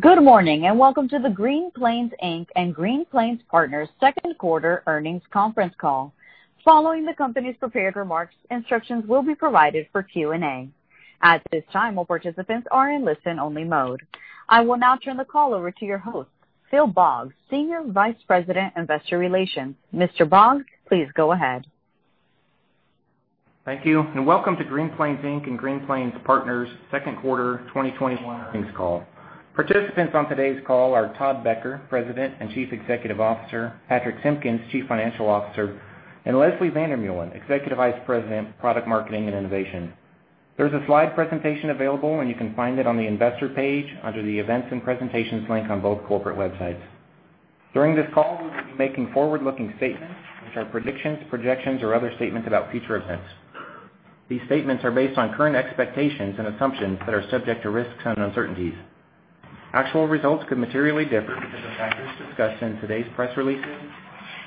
Good morning, welcome to the Green Plains Inc. and Green Plains Partners Second Quarter Earnings Conference Call. Following the company's prepared remarks, instructions will be provided for Q&A. At this time, all participants are in listen-only mode. I will now turn the call over to your host, Phil Boggs, Senior Vice President, Investor Relations. Mr. Boggs, please go ahead. Thank you, and welcome to Green Plains Inc. and Green Plains Partners second quarter 2021 earnings call. Participants on today's call are Todd Becker, President and Chief Executive Officer, Patrich Simpkins, Chief Financial Officer, and Leslie van der Meulen, Executive Vice President, Product Marketing and Innovation. There's a slide presentation available, and you can find it on the investor page under the events and presentations link on both corporate websites. During this call, we will be making forward-looking statements which are predictions, projections, or other statements about future events. These statements are based on current expectations and assumptions that are subject to risks and uncertainties. Actual results could materially differ due to the factors discussed in today's press releases,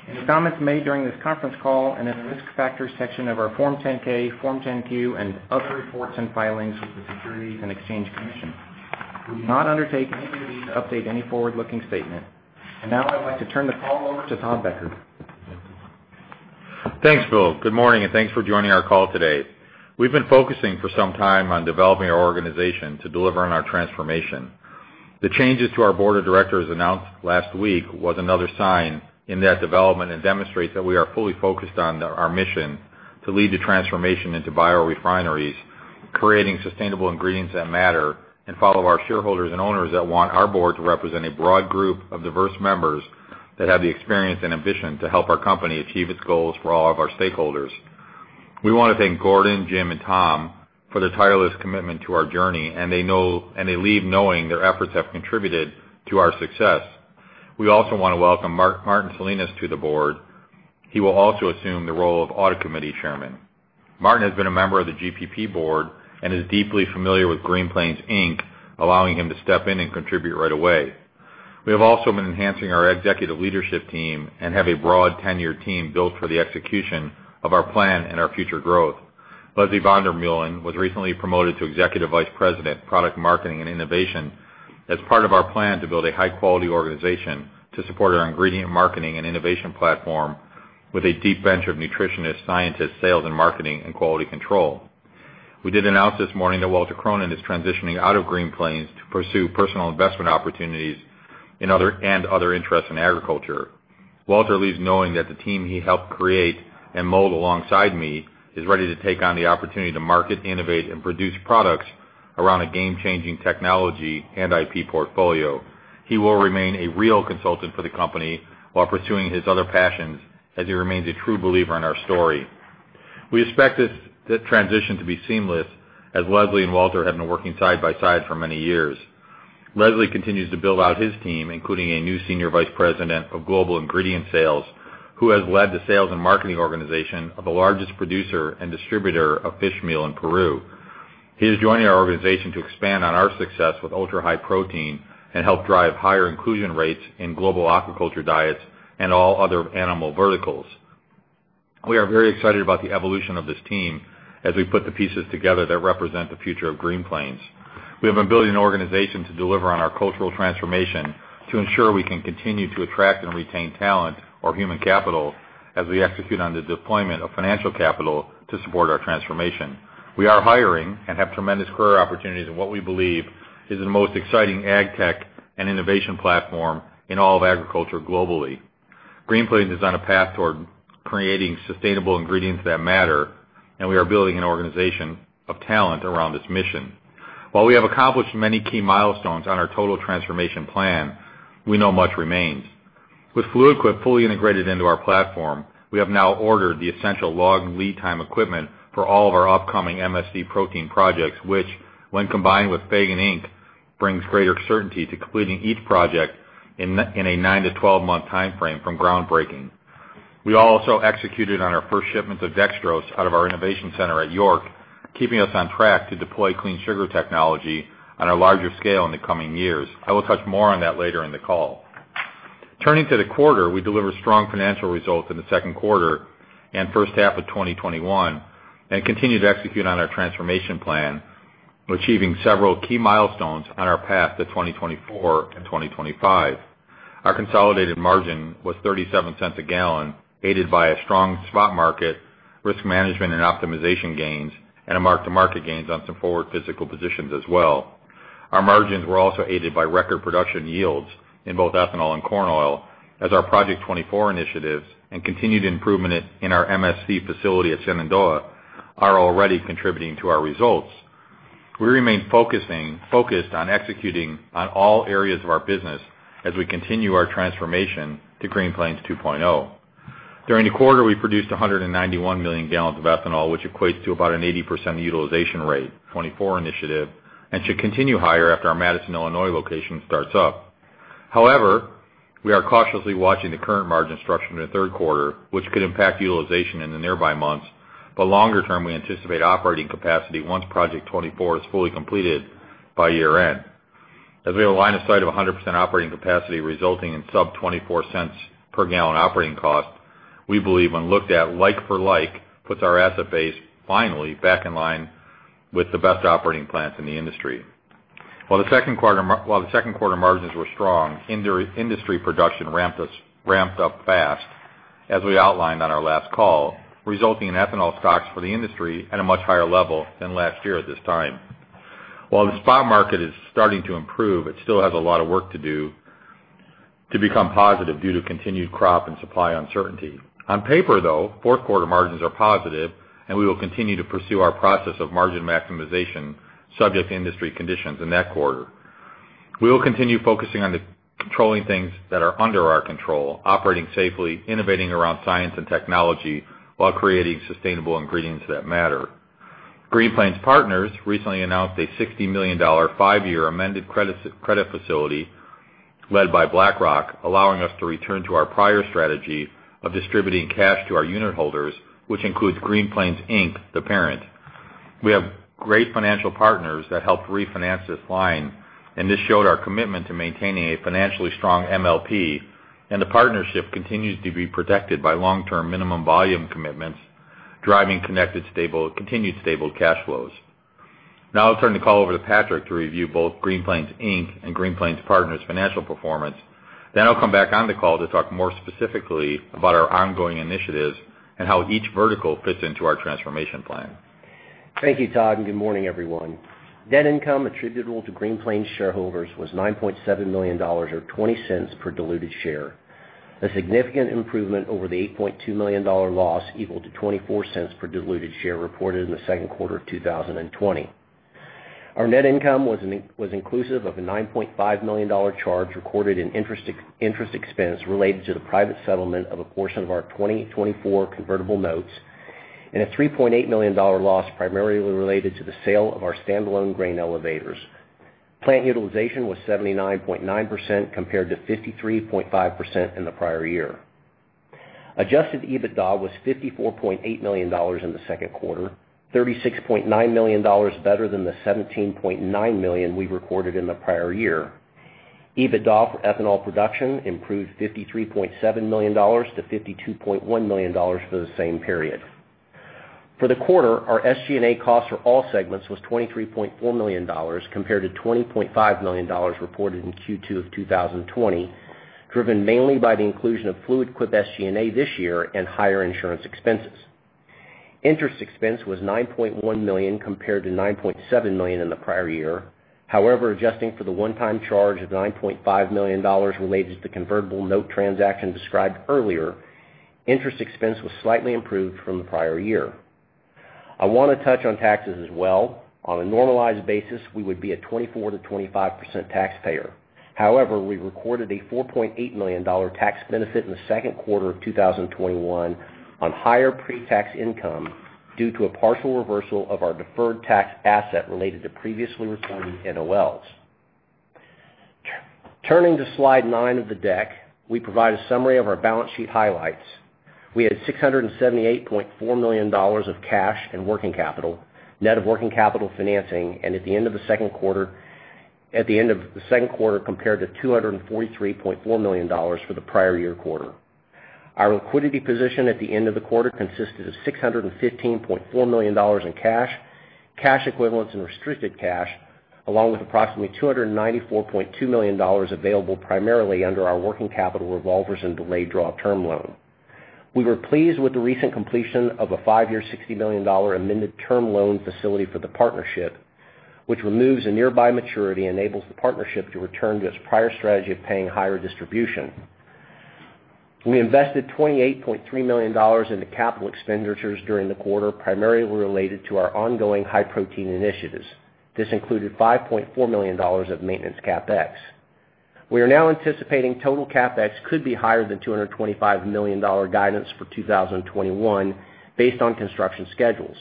in the comments made during this conference call, and in the Risk Factors section of our Form 10-K, Form 10-Q and other reports and filings with the Securities and Exchange Commission. We will not undertake any duty to update any forward-looking statement. Now I'd like to turn the call over to Todd Becker. Thanks, Phil. Good morning, thanks for joining our call today. We've been focusing for some time on developing our organization to deliver on our transformation. The changes to our board of directors announced last week was another sign in that development and demonstrates that we are fully focused on our mission to lead the transformation into biorefineries, creating sustainable ingredients that matter, follow our shareholders and owners that want our board to represent a broad group of diverse members that have the experience and ambition to help our company achieve its goals for all of our stakeholders. We want to thank Gordon, Jim, and Tom for their tireless commitment to our journey, they leave knowing their efforts have contributed to our success. We also want to welcome Martin Salinas to the board. He will also assume the role of Audit Committee Chairman. Martin has been a member of the GPP board and is deeply familiar with Green Plains Inc., allowing him to step in and contribute right away. We have also been enhancing our executive leadership team and have a broad tenured team built for the execution of our plan and our future growth. Leslie van der Meulen was recently promoted to Executive Vice President, Product Marketing and Innovation as part of our plan to build a high-quality organization to support our ingredient marketing and innovation platform with a deep bench of nutritionists, scientists, sales and marketing, and quality control. We did announce this morning that Walter Cronin is transitioning out of Green Plains to pursue personal investment opportunities and other interests in agriculture. Walter leaves knowing that the team he helped create and mold alongside me is ready to take on the opportunity to market, innovate, and produce products around a game-changing technology and IP portfolio. He will remain a real consultant for the company while pursuing his other passions, as he remains a true believer in our story. We expect this transition to be seamless, as Leslie and Walter have been working side by side for many years. Leslie continues to build out his team, including a new Senior Vice President of Global Ingredient Sales, who has led the sales and marketing organization of the largest producer and distributor of fishmeal in Peru. He is joining our organization to expand on our success with ultra-high protein and help drive higher inclusion rates in global aquaculture diets and all other animal verticals. We are very excited about the evolution of this team as we put the pieces together that represent the future of Green Plains. We have been building an organization to deliver on our cultural transformation to ensure we can continue to attract and retain talent or human capital as we execute on the deployment of financial capital to support our transformation. We are hiring and have tremendous career opportunities in what we believe is the most exciting ag tech and innovation platform in all of agriculture globally. Green Plains is on a path toward creating sustainable ingredients that matter, and we are building an organization of talent around this mission. While we have accomplished many key milestones on our total transformation plan, we know much remains. With Fluid Quip fully integrated into our platform, we have now ordered the essential long lead time equipment for all of our upcoming MSC protein projects, which, when combined with Fagen, Inc., brings greater certainty to completing each project in a 9-12 month timeframe from groundbreaking. We also executed on our first shipment of dextrose out of our innovation center at York, keeping us on track to deploy Clean Sugar Technology on a larger scale in the coming years. I will touch more on that later in the call. Turning to the quarter, we delivered strong financial results in the second quarter and first half of 2021, and continued to execute on our transformation plan, achieving several key milestones on our path to 2024 and 2025. Our consolidated margin was $0.37 a gallon, aided by a strong spot market, risk management and optimization gains, and mark-to-market gains on some forward physical positions as well. Our margins were also aided by record production yields in both ethanol and corn oil as our Project 24 initiatives and continued improvement in our MSC facility at Shenandoah are already contributing to our results. We remain focused on executing on all areas of our business as we continue our transformation to Green Plains 2.0. During the quarter, we produced 191 million gallons of ethanol, which equates to about an 80% utilization rate, 24 initiative, and should continue higher after our Madison, Illinois location starts up. However, we are cautiously watching the current margin structure in the third quarter, which could impact utilization in the nearby months. Longer term, we anticipate operating capacity once Project 24 is fully completed by year-end. As we have a line of sight of 100% operating capacity resulting in sub $0.24 per gallon operating cost. We believe when looked at like for like, puts our asset base finally back in line with the best operating plants in the industry. The second quarter margins were strong, industry production ramped up fast, as we outlined on our last call, resulting in ethanol stocks for the industry at a much higher level than last year at this time. The spot market is starting to improve, it still has a lot of work to do to become positive due to continued crop and supply uncertainty. On paper, though, fourth quarter margins are positive and we will continue to pursue our process of margin maximization subject to industry conditions in that quarter. We will continue focusing on controlling things that are under our control, operating safely, innovating around science and technology while creating sustainable ingredients that matter. Green Plains Partners recently announced a $60 million 5-year amended credit facility led by BlackRock, allowing us to return to our prior strategy of distributing cash to our unit holders, which includes Green Plains Inc., the parent. We have great financial partners that helped refinance this line, and this showed our commitment to maintaining a financially strong MLP, and the partnership continues to be protected by long-term minimum volume commitments, driving connected, continued stable cash flows. Now I'll turn the call over to Patrich to review both Green Plains Inc. and Green Plains Partners' financial performance. I'll come back on the call to talk more specifically about our ongoing initiatives and how each vertical fits into our transformation plan. Thank you, Todd, good morning, everyone. Net income attributable to Green Plains shareholders was $9.7 million, or $0.20 per diluted share, a significant improvement over the $8.2 million loss, equal to $0.24 per diluted share, reported in the second quarter of 2020. Our net income was inclusive of a $9.5 million charge recorded in interest expense related to the private settlement of a portion of our 2024 convertible notes, and a $3.8 million loss primarily related to the sale of our standalone grain elevators. Plant utilization was 79.9%, compared to 53.5% in the prior year. Adjusted EBITDA was $54.8 million in the second quarter, $36.9 million better than the $17.9 million we recorded in the prior year. EBITDA for ethanol production improved $53.7 million to $52.1 million for the same period. For the quarter, our SG&A costs for all segments was $23.4 million, compared to $20.5 million reported in Q2 of 2020, driven mainly by the inclusion of Fluid Quip SG&A this year and higher insurance expenses. Interest expense was $9.1 million compared to $9.7 million in the prior year. However, adjusting for the one-time charge of $9.5 million related to the convertible note transaction described earlier, interest expense was slightly improved from the prior year. I want to touch on taxes as well. On a normalized basis, we would be a 24%-25% taxpayer. However, we recorded a $4.8 million tax benefit in the second quarter of 2021 on higher pre-tax income due to a partial reversal of our deferred tax asset related to previously reported NOLs. Turning to slide nine of the deck, we provide a summary of our balance sheet highlights. We had $678.4 million of cash and working capital, net of working capital financing, and at the end of the second quarter compared to $243.4 million for the prior year quarter. Our liquidity position at the end of the quarter consisted of $615.4 million in cash equivalents and restricted cash, along with approximately $294.2 million available primarily under our working capital revolvers and delayed draw term loan. We were pleased with the recent completion of a 5-year, $60 million amended term loan facility for the partnership, which removes a nearby maturity and enables the partnership to return to its prior strategy of paying higher distribution. We invested $28.3 million into capital expenditures during the quarter, primarily related to our ongoing high protein initiatives. This included $5.4 million of maintenance CapEx. We are now anticipating total CapEx could be higher than $225 million guidance for 2021 based on construction schedules.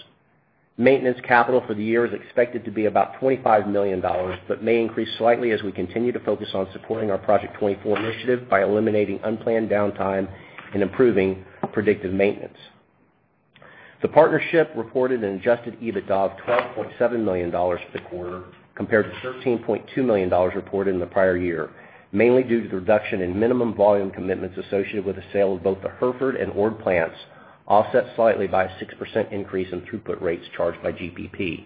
Maintenance capital for the year is expected to be about $25 million, but may increase slightly as we continue to focus on supporting our Project 24 initiative by eliminating unplanned downtime and improving predictive maintenance. The partnership reported an adjusted EBITDA of $12.7 million for the quarter compared to $13.2 million reported in the prior year, mainly due to the reduction in minimum volume commitments associated with the sale of both the Hereford and Ord plants, offset slightly by a 6% increase in throughput rates charged by GPP.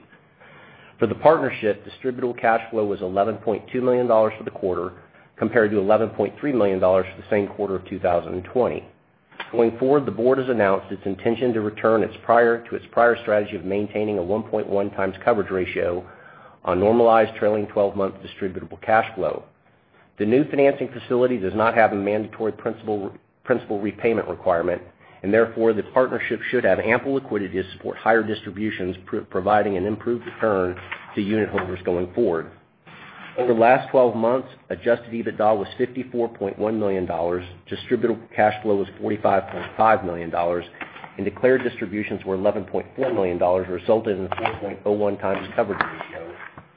For the partnership, distributable cash flow was $11.2 million for the quarter, compared to $11.3 million for the same quarter of 2020. Going forward, the board has announced its intention to return to its prior strategy of maintaining a 1.1x coverage ratio on normalized trailing 12-month distributable cash flow. The new financing facility does not have a mandatory principal repayment requirement. Therefore, the partnership should have ample liquidity to support higher distributions, providing an improved return to unitholders going forward. Over the last 12 months, adjusted EBITDA was $54.1 million, distributable cash flow was $45.5 million, and declared distributions were $11.4 million, resulting in a 4.01x coverage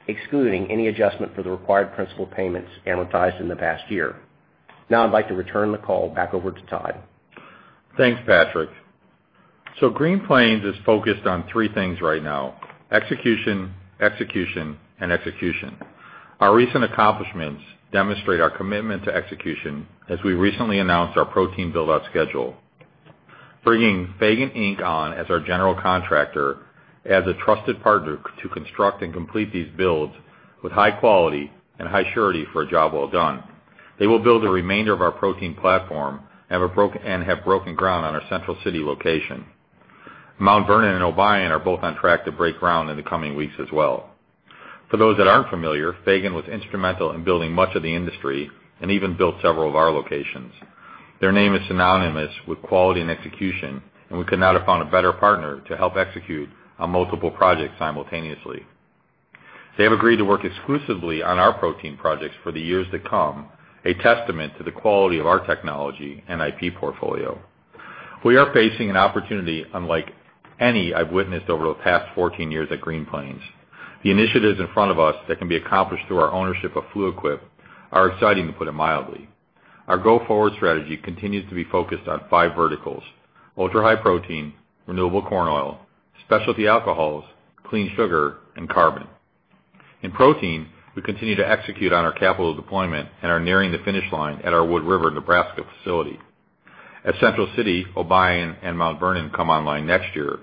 ratio, excluding any adjustment for the required principal payments amortized in the past year. I'd like to return the call back over to Todd. Thanks, Patrich. Green Plains is focused on three things right now: execution, and execution. Our recent accomplishments demonstrate our commitment to execution as we recently announced our protein build-out schedule. Bringing Fagen, Inc. on as our general contractor as a trusted partner to construct and complete these builds with high quality and high surety for a job well done. They will build the remainder of our protein platform and have broken ground on our Central City location. Mount Vernon and Obion are both on track to break ground in the coming weeks as well. For those that aren't familiar, Fagen was instrumental in building much of the industry and even built several of our locations. Their name is synonymous with quality and execution, we could not have found a better partner to help execute on multiple projects simultaneously. They have agreed to work exclusively on our protein projects for the years to come, a testament to the quality of our technology and IP portfolio. We are facing an opportunity unlike any I've witnessed over the past 14 years at Green Plains. The initiatives in front of us that can be accomplished through our ownership of Fluid Quip are exciting, to put it mildly. Our go-forward strategy continues to be focused on five verticals: ultra-high protein, renewable corn oil, specialty alcohols, clean Sugar, and carbon. In protein, we continue to execute on our capital deployment and are nearing the finish line at our Wood River, Nebraska facility. As Central City, Obion, and Mount Vernon come online next year,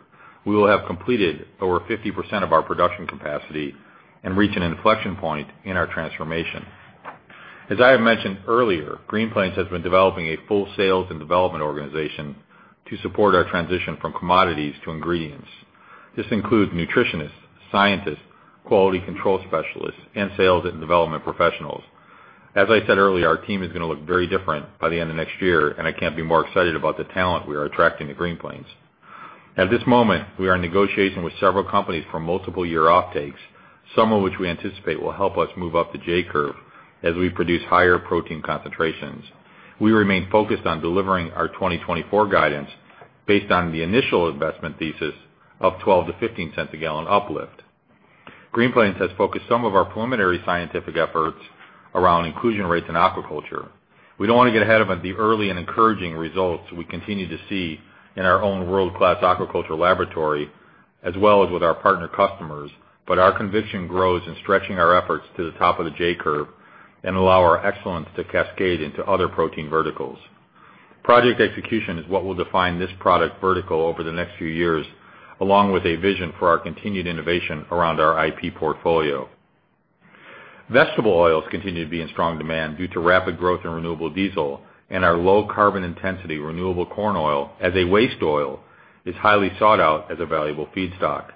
we will have completed over 50% of our production capacity and reach an inflection point in our transformation. As I have mentioned earlier, Green Plains has been developing a full sales and development organization to support our transition from commodities to ingredients. This includes nutritionists, scientists, quality control specialists, and sales and development professionals. As I said earlier, our team is going to look very different by the end of next year, and I can't be more excited about the talent we are attracting to Green Plains. At this moment, we are in negotiation with several companies for multiple year offtakes, some of which we anticipate will help us move up the J-curve as we produce higher protein concentrations. We remain focused on delivering our 2024 guidance based on the initial investment thesis of $0.12-$0.15 a gallon uplift. Green Plains has focused some of our preliminary scientific efforts around inclusion rates in aquaculture. We don't want to get ahead of the early and encouraging results we continue to see in our own world-class aquaculture laboratory, as well as with our partner customers. Our conviction grows in stretching our efforts to the top of the J-curve and allow our excellence to cascade into other protein verticals. Project execution is what will define this product vertical over the next few years, along with a vision for our continued innovation around our IP portfolio. Vegetable oils continue to be in strong demand due to rapid growth in renewable diesel and our low carbon intensity renewable corn oil as a waste oil is highly sought out as a valuable feedstock.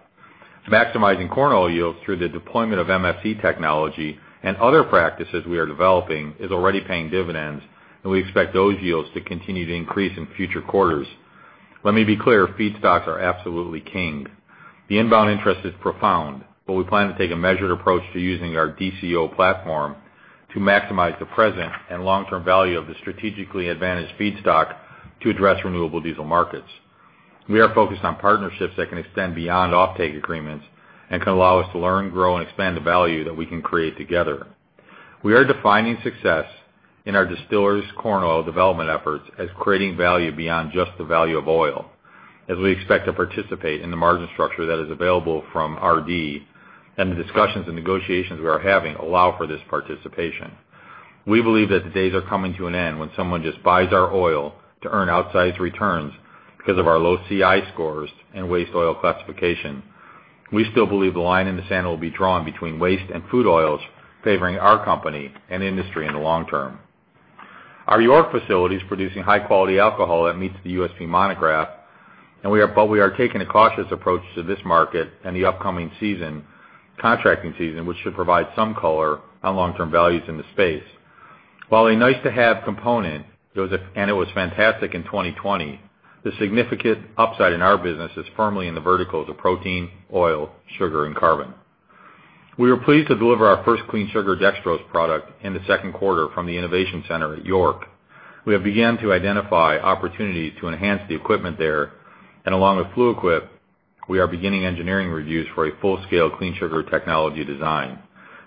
Maximizing corn oil yields through the deployment of MSC technology and other practices we are developing is already paying dividends, and we expect those yields to continue to increase in future quarters. Let me be clear, feedstocks are absolutely king. The inbound interest is profound, but we plan to take a measured approach to using our DCO platform to maximize the present and long-term value of the strategically advantaged feedstock to address renewable diesel markets. We are focused on partnerships that can extend beyond offtake agreements and can allow us to learn, grow, and expand the value that we can create together. We are defining success in our Distillers Corn Oil development efforts as creating value beyond just the value of oil as we expect to participate in the margin structure that is available from RD and the discussions and negotiations we are having allow for this participation. We believe that the days are coming to an end when someone just buys our oil to earn outsized returns because of our low CI scores and waste oil classification. We still believe the line in the sand will be drawn between waste and food oils favoring our company and industry in the long term. Our York facility is producing high quality alcohol that meets the USP monograph, but we are taking a cautious approach to this market and the upcoming contracting season, which should provide some color on long-term values in the space. While a nice-to-have component, and it was fantastic in 2020, the significant upside in our business is firmly in the verticals of protein, oil, sugar, and carbon. We were pleased to deliver our first Clean Sugar dextrose product in the second quarter from the innovation center at York. We have begun to identify opportunities to enhance the equipment there, and along with Fluid Quip, we are beginning engineering reviews for a full-scale Clean Sugar Technology design.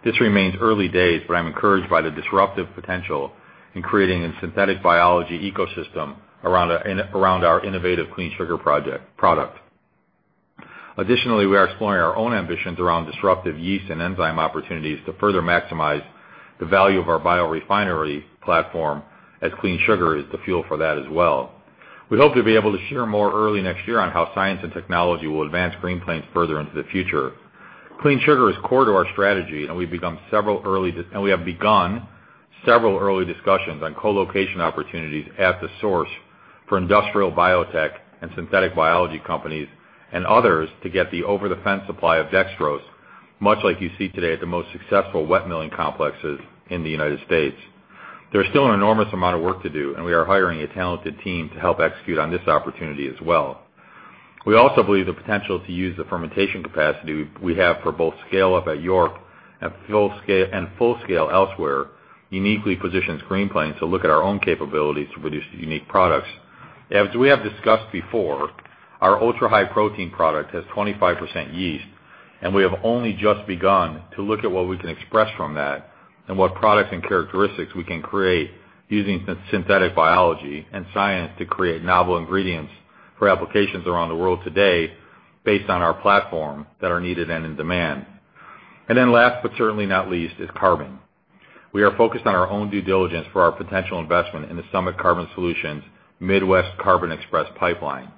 This remains early days, but I'm encouraged by the disruptive potential in creating a synthetic biology ecosystem around our innovative clean sugar product. Additionally, we are exploring our own ambitions around disruptive yeast and enzyme opportunities to further maximize the value of our biorefinery platform as clean sugar is the fuel for that as well. We hope to be able to share more early next year on how science and technology will advance Green Plains further into the future. Clean sugar is core to our strategy, and we have begun several early discussions on co-location opportunities at the source for industrial biotech and synthetic biology companies and others to get the over-the-fence supply of dextrose, much like you see today at the most successful wet milling complexes in the United State. There is still an enormous amount of work to do. We are hiring a talented team to help execute on this opportunity as well. We also believe the potential to use the fermentation capacity we have for both scale-up at York and full scale elsewhere uniquely positions Green Plains to look at our own capabilities to produce unique products. As we have discussed before, our ultra-high protein product has 25% yeast. We have only just begun to look at what we can express from that and what products and characteristics we can create using synthetic biology and science to create novel ingredients for applications around the world today based on our platform that are needed and in demand. Last but certainly not least is carbon. We are focused on our own due diligence for our potential investment in the Summit Carbon Solutions Midwest Carbon Express pipeline.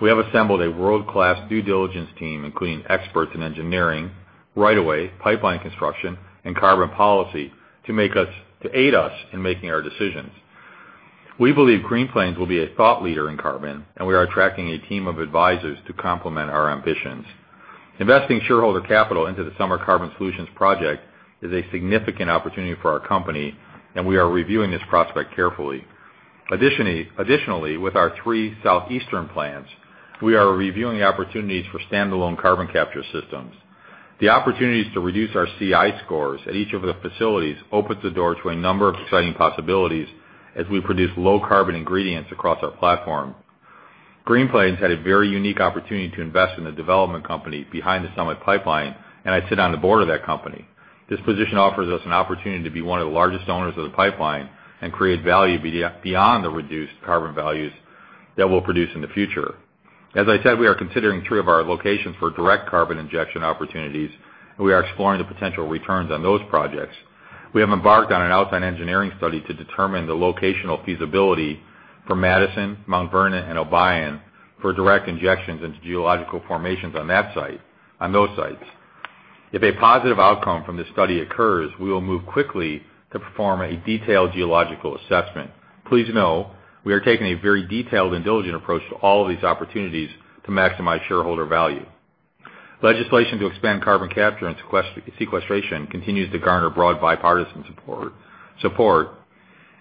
We have assembled a world-class due diligence team, including experts in engineering, right of way, pipeline construction, and carbon policy to aid us in making our decisions. We believe Green Plains will be a thought leader in carbon, we are attracting a team of advisors to complement our ambitions. Investing shareholder capital into the Summit Carbon Solutions project is a significant opportunity for our company, we are reviewing this prospect carefully. Additionally, with our three southeastern plants, we are reviewing opportunities for standalone carbon capture systems. The opportunities to reduce our CI scores at each of the facilities opens the door to a number of exciting possibilities as we produce low carbon ingredients across our platform. Green Plains had a very unique opportunity to invest in the development company behind the Summit pipeline, I sit on the board of that company. This position offers us an opportunity to be one of the largest owners of the pipeline and create value beyond the reduced carbon values that we'll produce in the future. As I said, we are considering three of our locations for direct carbon injection opportunities, and we are exploring the potential returns on those projects. We have embarked on an outside engineering study to determine the locational feasibility for Madison, Mount Vernon, and Obion for direct injections into geological formations on those sites. If a positive outcome from this study occurs, we will move quickly to perform a detailed geological assessment. Please know we are taking a very detailed and diligent approach to all of these opportunities to maximize shareholder value. Legislation to expand carbon capture and sequestration continues to garner broad bipartisan support,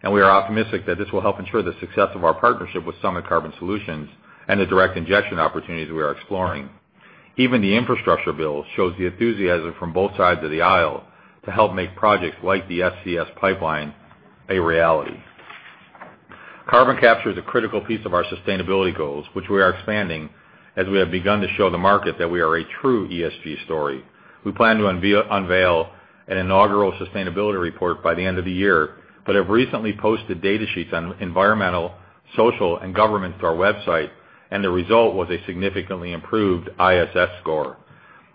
and we are optimistic that this will help ensure the success of our partnership with Summit Carbon Solutions and the direct injection opportunities we are exploring. Even the infrastructure bill shows the enthusiasm from both sides of the aisle to help make projects like the SCS pipeline a reality. Carbon capture is a critical piece of our sustainability goals, which we are expanding as we have begun to show the market that we are a true ESG story. We plan to unveil an inaugural sustainability report by the end of the year, but have recently posted data sheets on environmental, social, and government to our website, and the result was a significantly improved ISS score.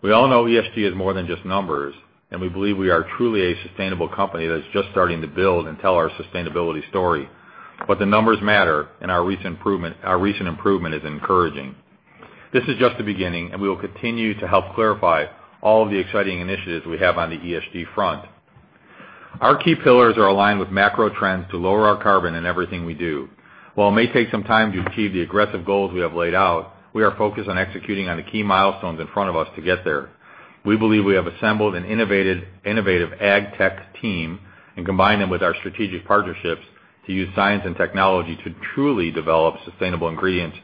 We all know ESG is more than just numbers, and we believe we are truly a sustainable company that's just starting to build and tell our sustainability story. The numbers matter, and our recent improvement is encouraging. This is just the beginning, and we will continue to help clarify all of the exciting initiatives we have on the ESG front. Our key pillars are aligned with macro trends to lower our carbon in everything we do. While it may take some time to achieve the aggressive goals we have laid out, we are focused on executing on the key milestones in front of us to get there. We believe we have assembled an innovative ag tech team and combined them with our strategic partnerships to use science and technology to truly develop sustainable ingredients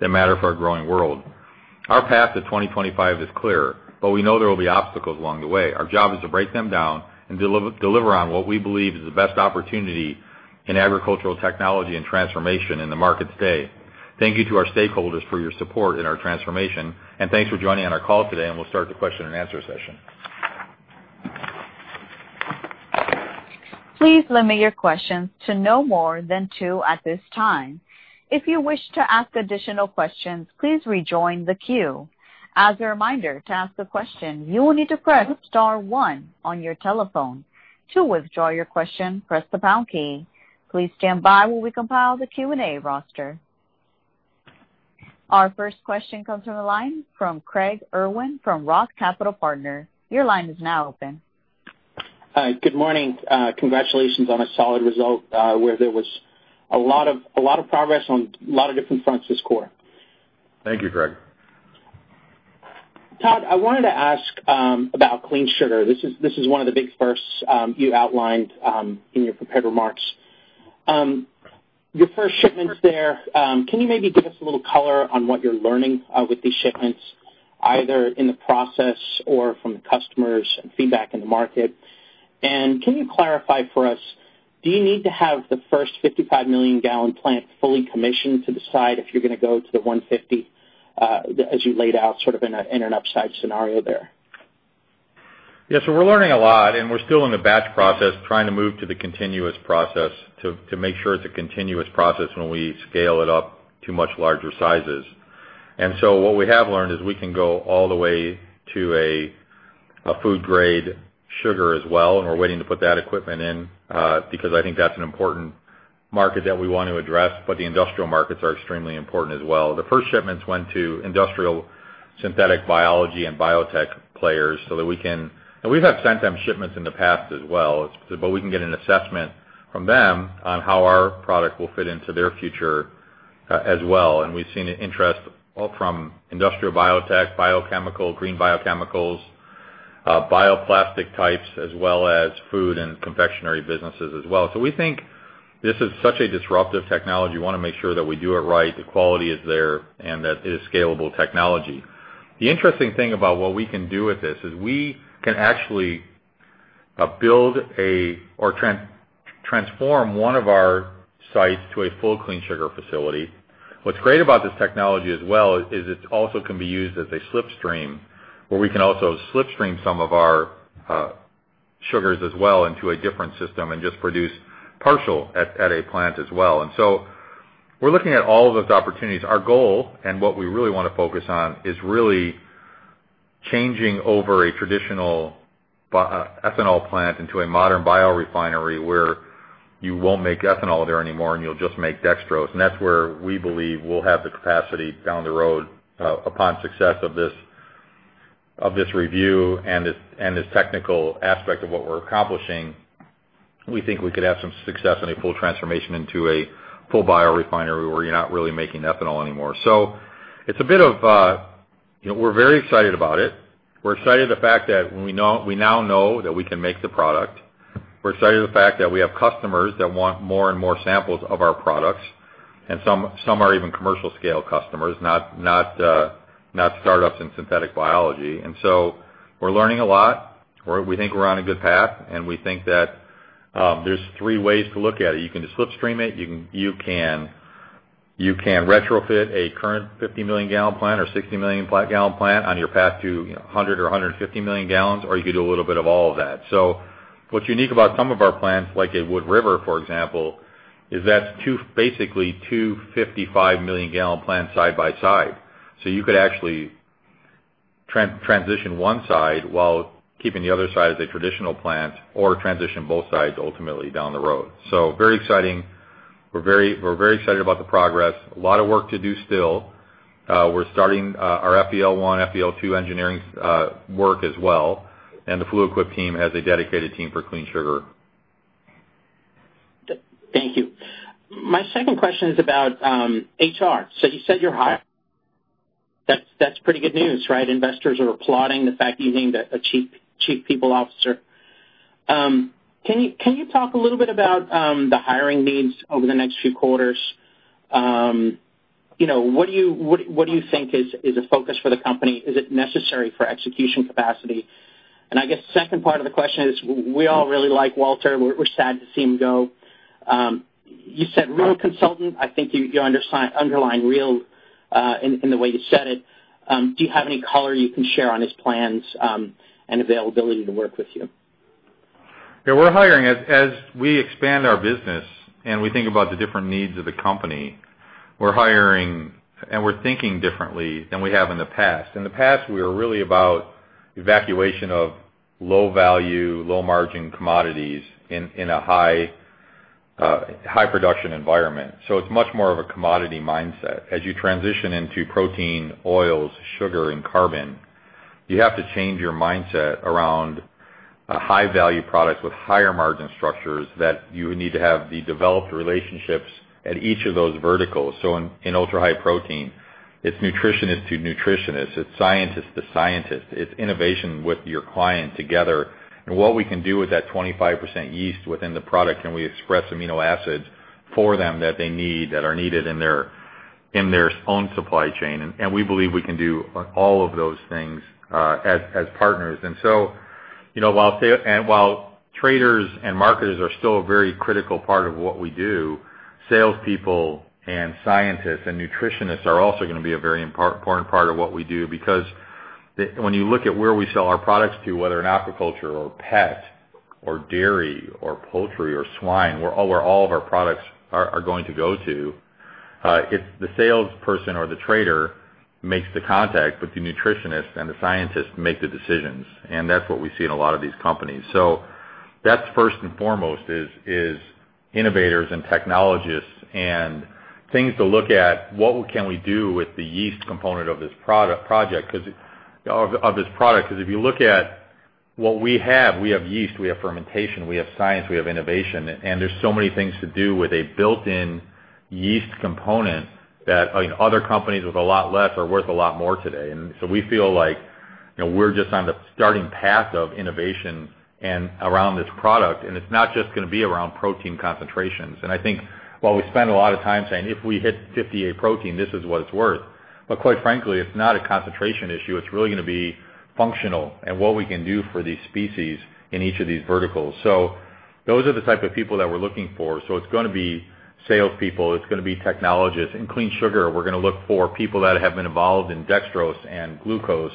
that matter for our growing world. Our path to 2025 is clear, but we know there will be obstacles along the way. Our job is to break them down and deliver on what we believe is the best opportunity in agricultural technology and transformation in the market today. Thank you to our stakeholders for your support in our transformation, and thanks for joining on our call today, and we'll start the question and answer session. Please limit your questions to no more than two at this time. If you wish to ask additional questions, please rejoin the queue. As a reminder, to ask a question, you will need to press star one on your telephone. To withdraw your question, press the pound key. Please stand by while we compile the Q&A roster. Our first question comes on the line from Craig Irwin from Roth Capital Partners. Your line is now open. Hi. Good morning. Congratulations on a solid result, where there was a lot of progress on a lot of different fronts this quarter. Thank you, Craig. Todd, I wanted to ask about Clean Sugar. This is one of the big firsts you outlined in your prepared remarks. Your first shipments there, can you maybe give us a little color on what you're learning with these shipments, either in the process or from the customers and feedback in the market? Can you clarify for us, do you need to have the first 55 million gallon plant fully commissioned to decide if you're going to go to the 150 as you laid out sort of in an upside scenario there? Yeah. We're learning a lot, and we're still in the batch process, trying to move to the continuous process to make sure it's a continuous process when we scale it up to much larger sizes. What we have learned is we can go all the way to a food grade sugar as well, and we're waiting to put that equipment in, because I think that's an important market that we want to address, but the industrial markets are extremely important as well. The first shipments went to industrial synthetic biology and biotech players. We have sent them shipments in the past as well, but we can get an assessment from them on how our product will fit into their future as well. We've seen an interest from industrial biotech, biochemical, green biochemicals, bioplastic types, as well as food and confectionary businesses as well. We think this is such a disruptive technology. We want to make sure that we do it right, the quality is there, and that it is scalable technology. The interesting thing about what we can do with this is we can actually build or transform one of our sites to a full Clean Sugar facility. What's great about this technology as well is it also can be used as a slip stream, where we can also slip stream some of our sugars as well into a different system and just produce partial at a plant as well. We're looking at all of those opportunities. Our goal and what we really want to focus on is really changing over a traditional ethanol plant into a modern biorefinery, where you won't make ethanol there anymore and you'll just make dextrose. That's where we believe we'll have the capacity down the road, upon success of this review and this technical aspect of what we're accomplishing. We think we could have some success in a full transformation into a full biorefinery where you're not really making ethanol anymore. We're very excited about it. We're excited the fact that we now know that we can make the product. We're excited the fact that we have customers that want more and more samples of our products, and some are even commercial scale customers, not startups in synthetic biology. We're learning a lot. We think we're on a good path, and we think that there's three ways to look at it. You can just slip stream it, you can retrofit a current 50-million gallon plant or 60-million gallon plant on your path to 100 or 150 million gallons, or you could do a little bit of all of that. What's unique about some of our plants, like at Wood River, for example, is that's basically two 55-million gallon plants side by side. You could actually transition one side while keeping the other side as a traditional plant or transition both sides ultimately down the road. Very exciting. We're very excited about the progress. A lot of work to do still. We're starting our FEL 1, FEL 2 engineering work as well, and the Fluid Quip team has a dedicated team for Clean Sugar. Thank you. My second question is about HR. You said you're hiring. That's pretty good news, right? Investors are applauding the fact you named a chief people officer. Can you talk a little bit about the hiring needs over the next few quarters? What do you think is a focus for the company? Is it necessary for execution capacity? I guess second part of the question is, we all really like Walter. We're sad to see him go. You said real consultant, I think you underlined real in the way you said it. Do you have any color you can share on his plans, and availability to work with you? We're hiring. As we expand our business and we think about the different needs of the company, we're hiring and we're thinking differently than we have in the past. In the past, we were really about evacuation of low value, low margin commodities in a high production environment. It's much more of a commodity mindset. As you transition into protein, oils, sugar, and carbon, you have to change your mindset around high value products with higher margin structures that you would need to have the developed relationships at each of those verticals. In ultra-high protein, it's nutritionist to nutritionist. It's scientist to scientist. It's innovation with your client together. What we can do with that 25% yeast within the product, can we express amino acids for them that they need, that are needed in their own supply chain? We believe we can do all of those things as partners. While traders and marketers are still a very critical part of what we do, salespeople and scientists and nutritionists are also going to be a very important part of what we do. Because when you look at where we sell our products to, whether in agriculture or pet or dairy or poultry or swine, where all of our products are going to go to, it's the salesperson or the trader makes the contact, but the nutritionist and the scientists make the decisions. That's what we see in a lot of these companies. That's first and foremost is innovators and technologists and things to look at. What can we do with the yeast component of this product? If you look at what we have, we have yeast, we have fermentation, we have science, we have innovation, and there's so many things to do with a built-in yeast component that other companies with a lot less are worth a lot more today. We feel like we're just on the starting path of innovation around this product, and it's not just going to be around protein concentrations. I think while we spend a lot of time saying, "If we hit 58 protein, this is what it's worth." Quite frankly, it's not a concentration issue. It's really going to be functional and what we can do for these species in each of these verticals. Those are the type of people that we're looking for. It's going to be salespeople, it's going to be technologists. In Clean Sugar, we're going to look for people that have been involved in dextrose and glucose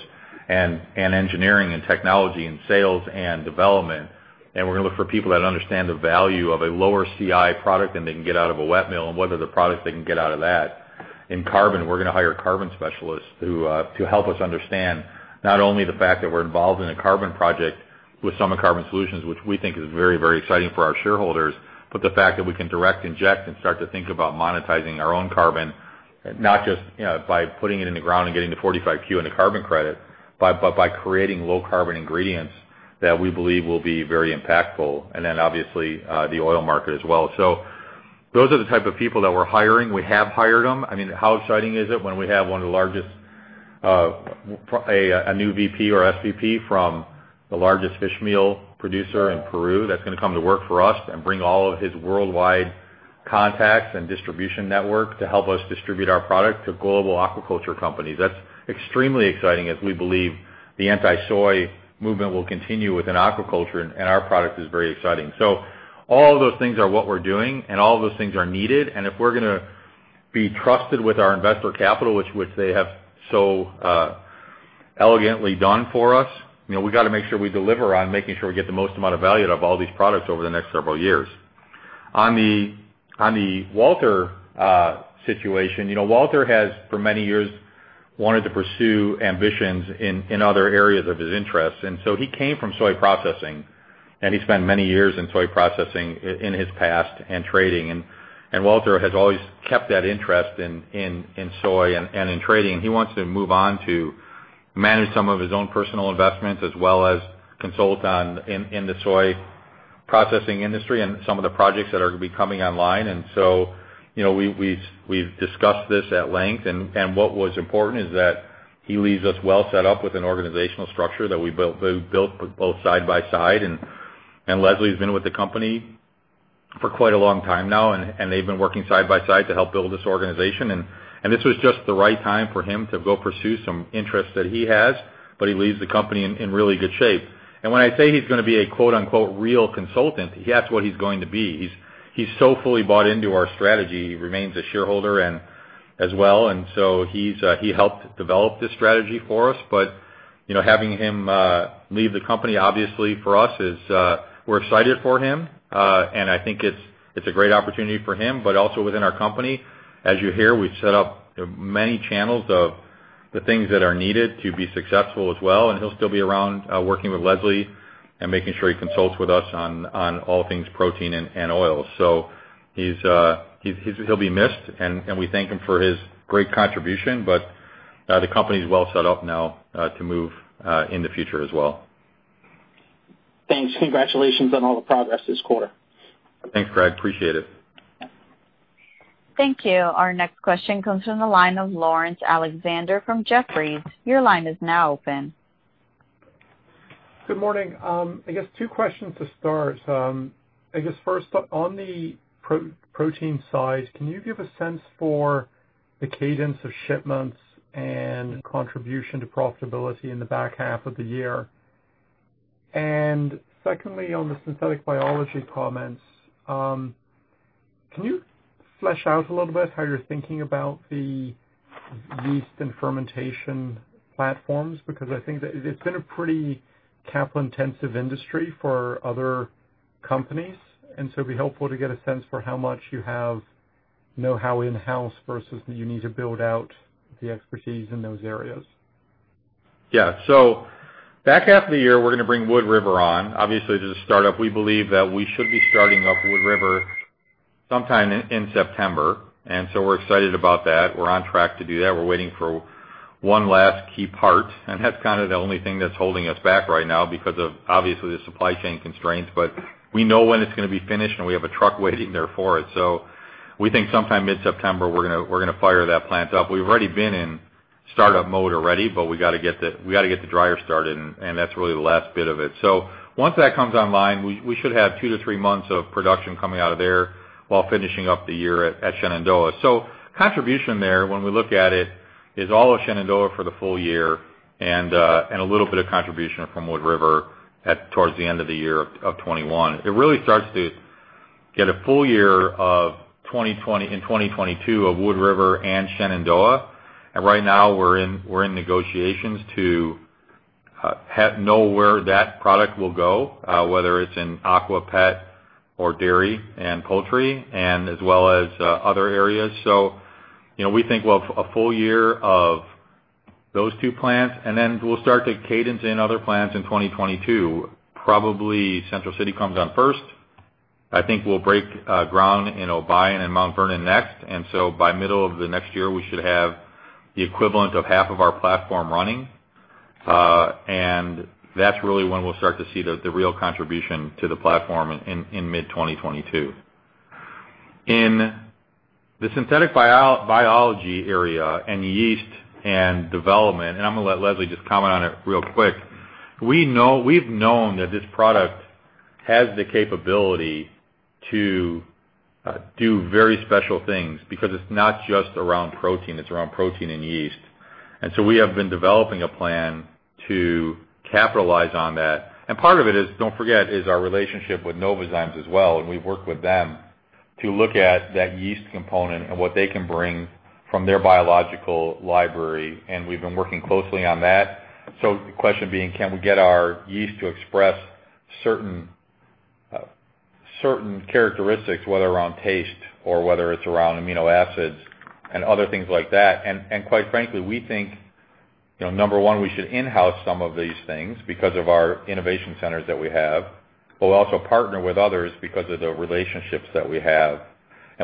and engineering and technology and sales and development. We're going to look for people that understand the value of a lower CI product than they can get out of a wet mill and what are the products they can get out of that. In carbon, we're going to hire carbon specialists who help us understand not only the fact that we're involved in a carbon project with Summit Carbon Solutions, which we think is very exciting for our shareholders, but the fact that we can direct inject and start to think about monetizing our own carbon, not just by putting it in the ground and getting to 45Q in the carbon credit, but by creating low carbon ingredients that we believe will be very impactful. Obviously, the oil market as well. Those are the type of people that we're hiring. We have hired them. How exciting is it when we have a new VP or SVP from the largest fish meal producer in Peru that's going to come to work for us and bring all of his worldwide contacts and distribution network to help us distribute our product to global aquaculture companies. That's extremely exciting, as we believe the anti-soy movement will continue within aquaculture, and our product is very exciting. All of those things are what we're doing, and all of those things are needed. If we're going to be trusted with our investor capital, which they have so elegantly done for us, we've got to make sure we deliver on making sure we get the most amount of value out of all these products over the next several years. On the Walter Cronin situation, Walter Cronin has, for many years, wanted to pursue ambitions in other areas of his interest. He came from soy processing, and he spent many years in soy processing in his past and trading. Walter Cronin has always kept that interest in soy and in trading. He wants to move on to manage some of his own personal investments as well as consult in the soy processing industry and some of the projects that are going to be coming online. We've discussed this at length, and what was important is that he leaves us well set up with an organizational structure that we built both side by side. Leslie van der Meulen's been with the company for quite a long time now, and they've been working side by side to help build this organization. This was just the right time for him to go pursue some interests that he has, but he leaves the company in really good shape. When I say he's going to be a quote, unquote "real consultant," that's what he's going to be. He's so fully bought into our strategy. He remains a shareholder as well. He helped develop this strategy for us. Having him leave the company, obviously, for us is, we're excited for him. I think it's a great opportunity for him, but also within our company. As you hear, we've set up many channels of the things that are needed to be successful as well, and he'll still be around working with Leslie and making sure he consults with us on all things protein and oil. He'll be missed, and we thank him for his great contribution. The company is well set up now to move in the future as well. Thanks. Congratulations on all the progress this quarter. Thanks, Craig. Appreciate it. Thank you. Our next question comes from the line of Laurence Alexander from Jefferies. Your line is now open. Good morning. I guess two questions to start. I guess first, on the protein size, can you give a sense for the cadence of shipments and contribution to profitability in the back half of the year? Secondly, on the synthetic biology comments, can you flesh out a little bit how you're thinking about the yeast and fermentation platforms? I think that it's been a pretty capital-intensive industry for other companies, it'd be helpful to get a sense for how much you have know-how in-house versus you need to build out the expertise in those areas. Yeah. Back half of the year, we're going to bring Wood River on. Obviously, this is a startup. We believe that we should be starting up Wood River sometime in September, and we're excited about that. We're on track to do that. We're waiting for one last key part, and that's kind of the only thing that's holding us back right now because of, obviously, the supply chain constraints. We know when it's going to be finished, and we have a truck waiting there for it. We think sometime mid-September, we're going to fire that plant up. We've already been in startup mode already, but we got to get the dryer started, and that's really the last bit of it. Once that comes online, we should have two to three months of production coming out of there while finishing up the year at Shenandoah. Contribution there, when we look at it, is all of Shenandoah for the full year and a little bit of contribution from Wood River towards the end of the year of 2021. It really starts to get a full year in 2022 of Wood River and Shenandoah. Right now we're in negotiations to know where that product will go, whether it's in aqua, pet or dairy and poultry, and as well as other areas. We think, well, a full year of those two plants, and then we'll start to cadence in other plants in 2022. Probably Central City comes on first. I think we'll break ground in Obion and Mount Vernon next. By middle of the next year, we should have the equivalent of half of our platform running. That's really when we'll start to see the real contribution to the platform in mid-2022. In the synthetic biology area in yeast and development, I'm going to let Leslie just comment on it real quick. We've known that this product has the capability to do very special things because it's not just around protein, it's around protein and yeast. We have been developing a plan to capitalize on that. Part of it is, don't forget, is our relationship with Novozymes as well, and we've worked with them to look at that yeast component and what they can bring from their biological library. We've been working closely on that. The question being, can we get our yeast to express certain characteristics, whether around taste or whether it's around amino acids and other things like that. Quite frankly, we think, number one, we should in-house some of these things because of our innovation centers that we have, but we also partner with others because of the relationships that we have.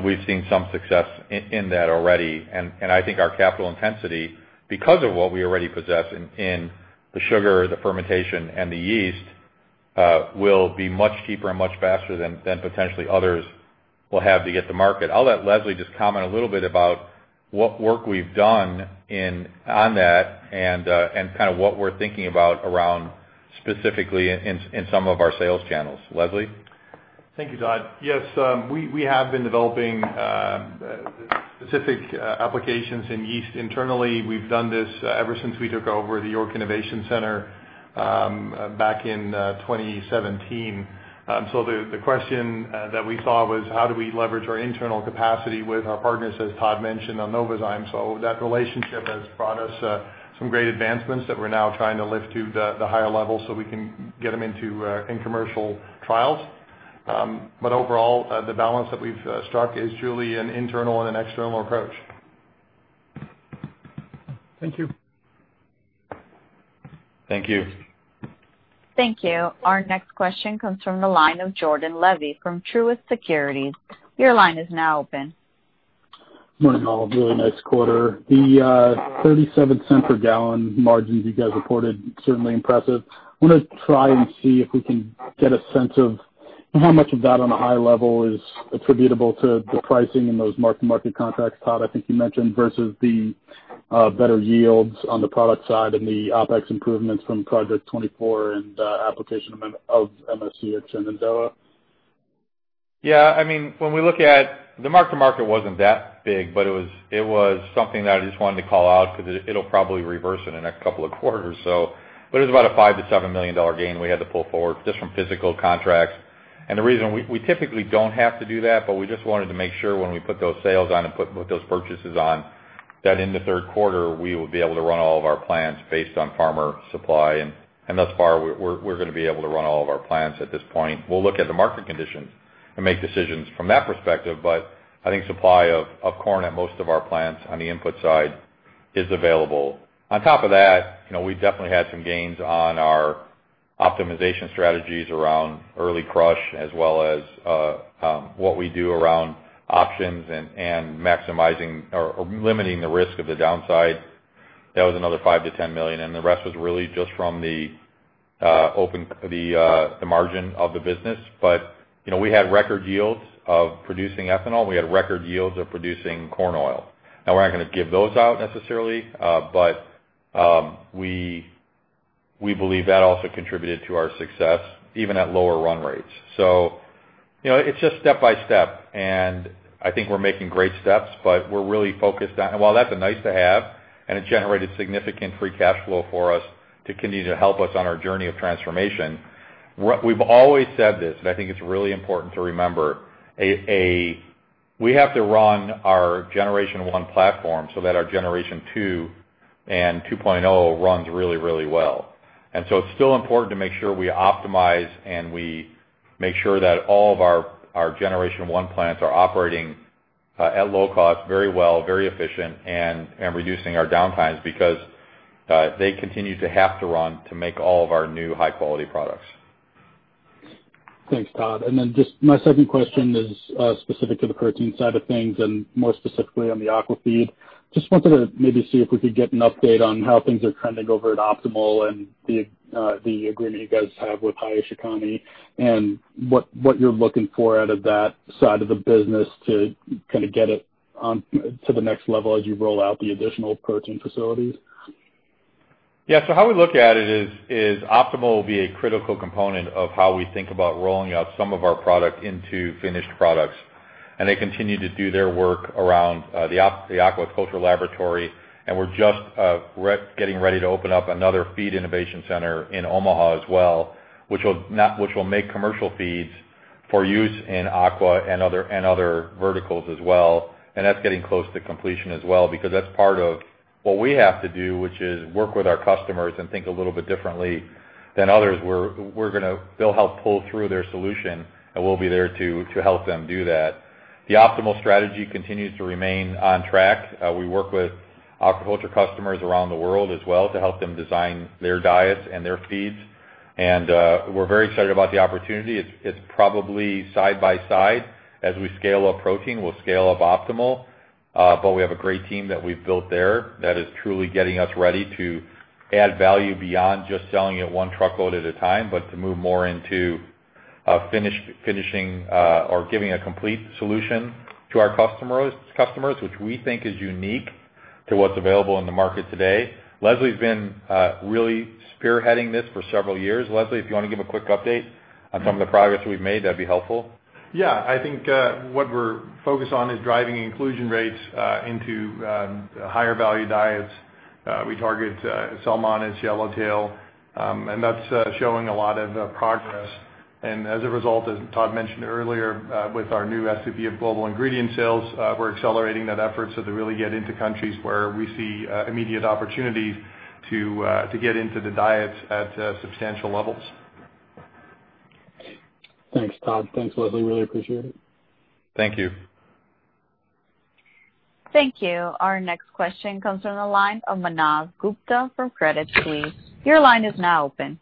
We've seen some success in that already. I think our capital intensity, because of what we already possess in the sugar, the fermentation, and the yeast, will be much cheaper and much faster than potentially others will have to get to market. I'll let Leslie just comment a little bit about what work we've done on that, and what we're thinking about around specifically in some of our sales channels. Leslie? Thank you, Todd. Yes, we have been developing specific applications in yeast internally. We've done this ever since we took over the York Innovation Center back in 2017. The question that we saw was how do we leverage our internal capacity with our partners, as Todd mentioned, on Novozymes. That relationship has brought us some great advancements that we're now trying to lift to the higher level so we can get them into in commercial trials. Overall, the balance that we've struck is truly an internal and an external approach. Thank you. Thank you. Thank you. Our next question comes from the line of Jordan Levy from Truist Securities. Your line is now open. Morning, all. Really nice quarter. The $0.37 per gallon margins you guys reported, certainly impressive. I want to try and see if we can get a sense of how much of that on a high level is attributable to the pricing in those mark-to-market contracts, Todd, I think you mentioned, versus the better yields on the product side and the OpEx improvements from Project 24 and application of MSC at Shenandoah. Yeah. The mark-to-market wasn't that big, but it was something that I just wanted to call out because it'll probably reverse in the next couple of quarters. It was about a $5 million-$7 million gain we had to pull forward just from physical contracts. The reason we typically don't have to do that, but we just wanted to make sure when we put those sales on and put those purchases on, that in the third quarter, we will be able to run all of our plants based on farmer supply. Thus far, we're going to be able to run all of our plants at this point. We'll look at the market conditions and make decisions from that perspective. I think supply of corn at most of our plants on the input side is available. On top of that, we've definitely had some gains on our optimization strategies around early crush, as well as what we do around options and maximizing or limiting the risk of the downside. That was another $5 million-$10 million, the rest was really just from the margin of the business. We had record yields of producing ethanol. We had record yields of producing corn oil. We're not going to give those out necessarily, but we believe that also contributed to our success, even at lower run rates. It's just step by step, and I think we're making great steps. While that's nice to have, and it generated significant free cash flow for us to continue to help us on our journey of transformation, we've always said this, and I think it's really important to remember. We have to run our generation 1 platform so that our generation 2 and 2.0 runs really well. It's still important to make sure we optimize and we make sure that all of our generation 1 plants are operating at low cost very well, very efficient and reducing our downtimes because they continue to have to run to make all of our new high-quality products. Thanks, Todd. Just my second question is specific to the protein side of things and more specifically on the aqua feed. Just wanted to maybe see if we could get an update on how things are trending over at Optimal and the agreement you guys have with Hayashikane and what you're looking for out of that side of the business to get it on to the next level as you roll out the additional protein facilities. Yeah. How we look at it is Optimal will be a critical component of how we think about rolling out some of our product into finished products, and they continue to do their work around the aquaculture laboratory, and we're just getting ready to open up another feed innovation center in Omaha as well, which will make commercial feeds for use in aqua and other verticals as well. That's getting close to completion as well, because that's part of what we have to do, which is work with our customers and think a little bit differently than others. They'll help pull through their solution, and we'll be there to help them do that. The Optimal strategy continues to remain on track. We work with aquaculture customers around the world as well to help them design their diets and their feeds, and we're very excited about the opportunity. It's probably side by side. As we scale up protein, we'll scale up Optimal. We have a great team that we've built there that is truly getting us ready to add value beyond just selling it one truckload at a time, but to move more into finishing or giving a complete solution to our customers, which we think is unique to what's available in the market today. Leslie's been really spearheading this for several years. Leslie, if you want to give a quick update on some of the progress we've made, that'd be helpful. Yeah. I think what we're focused on is driving inclusion rates into higher value diets. We target salmon and yellowtail, that's showing a lot of progress. As a result, as Todd mentioned earlier, with our new SVP of global ingredient sales, we're accelerating that effort to really get into countries where we see immediate opportunities to get into the diets at substantial levels. Thanks, Todd. Thanks, Leslie. Really appreciate it. Thank you. Thank you. Our next question comes from the line of Manav Gupta from Credit Suisse. Your line is now open.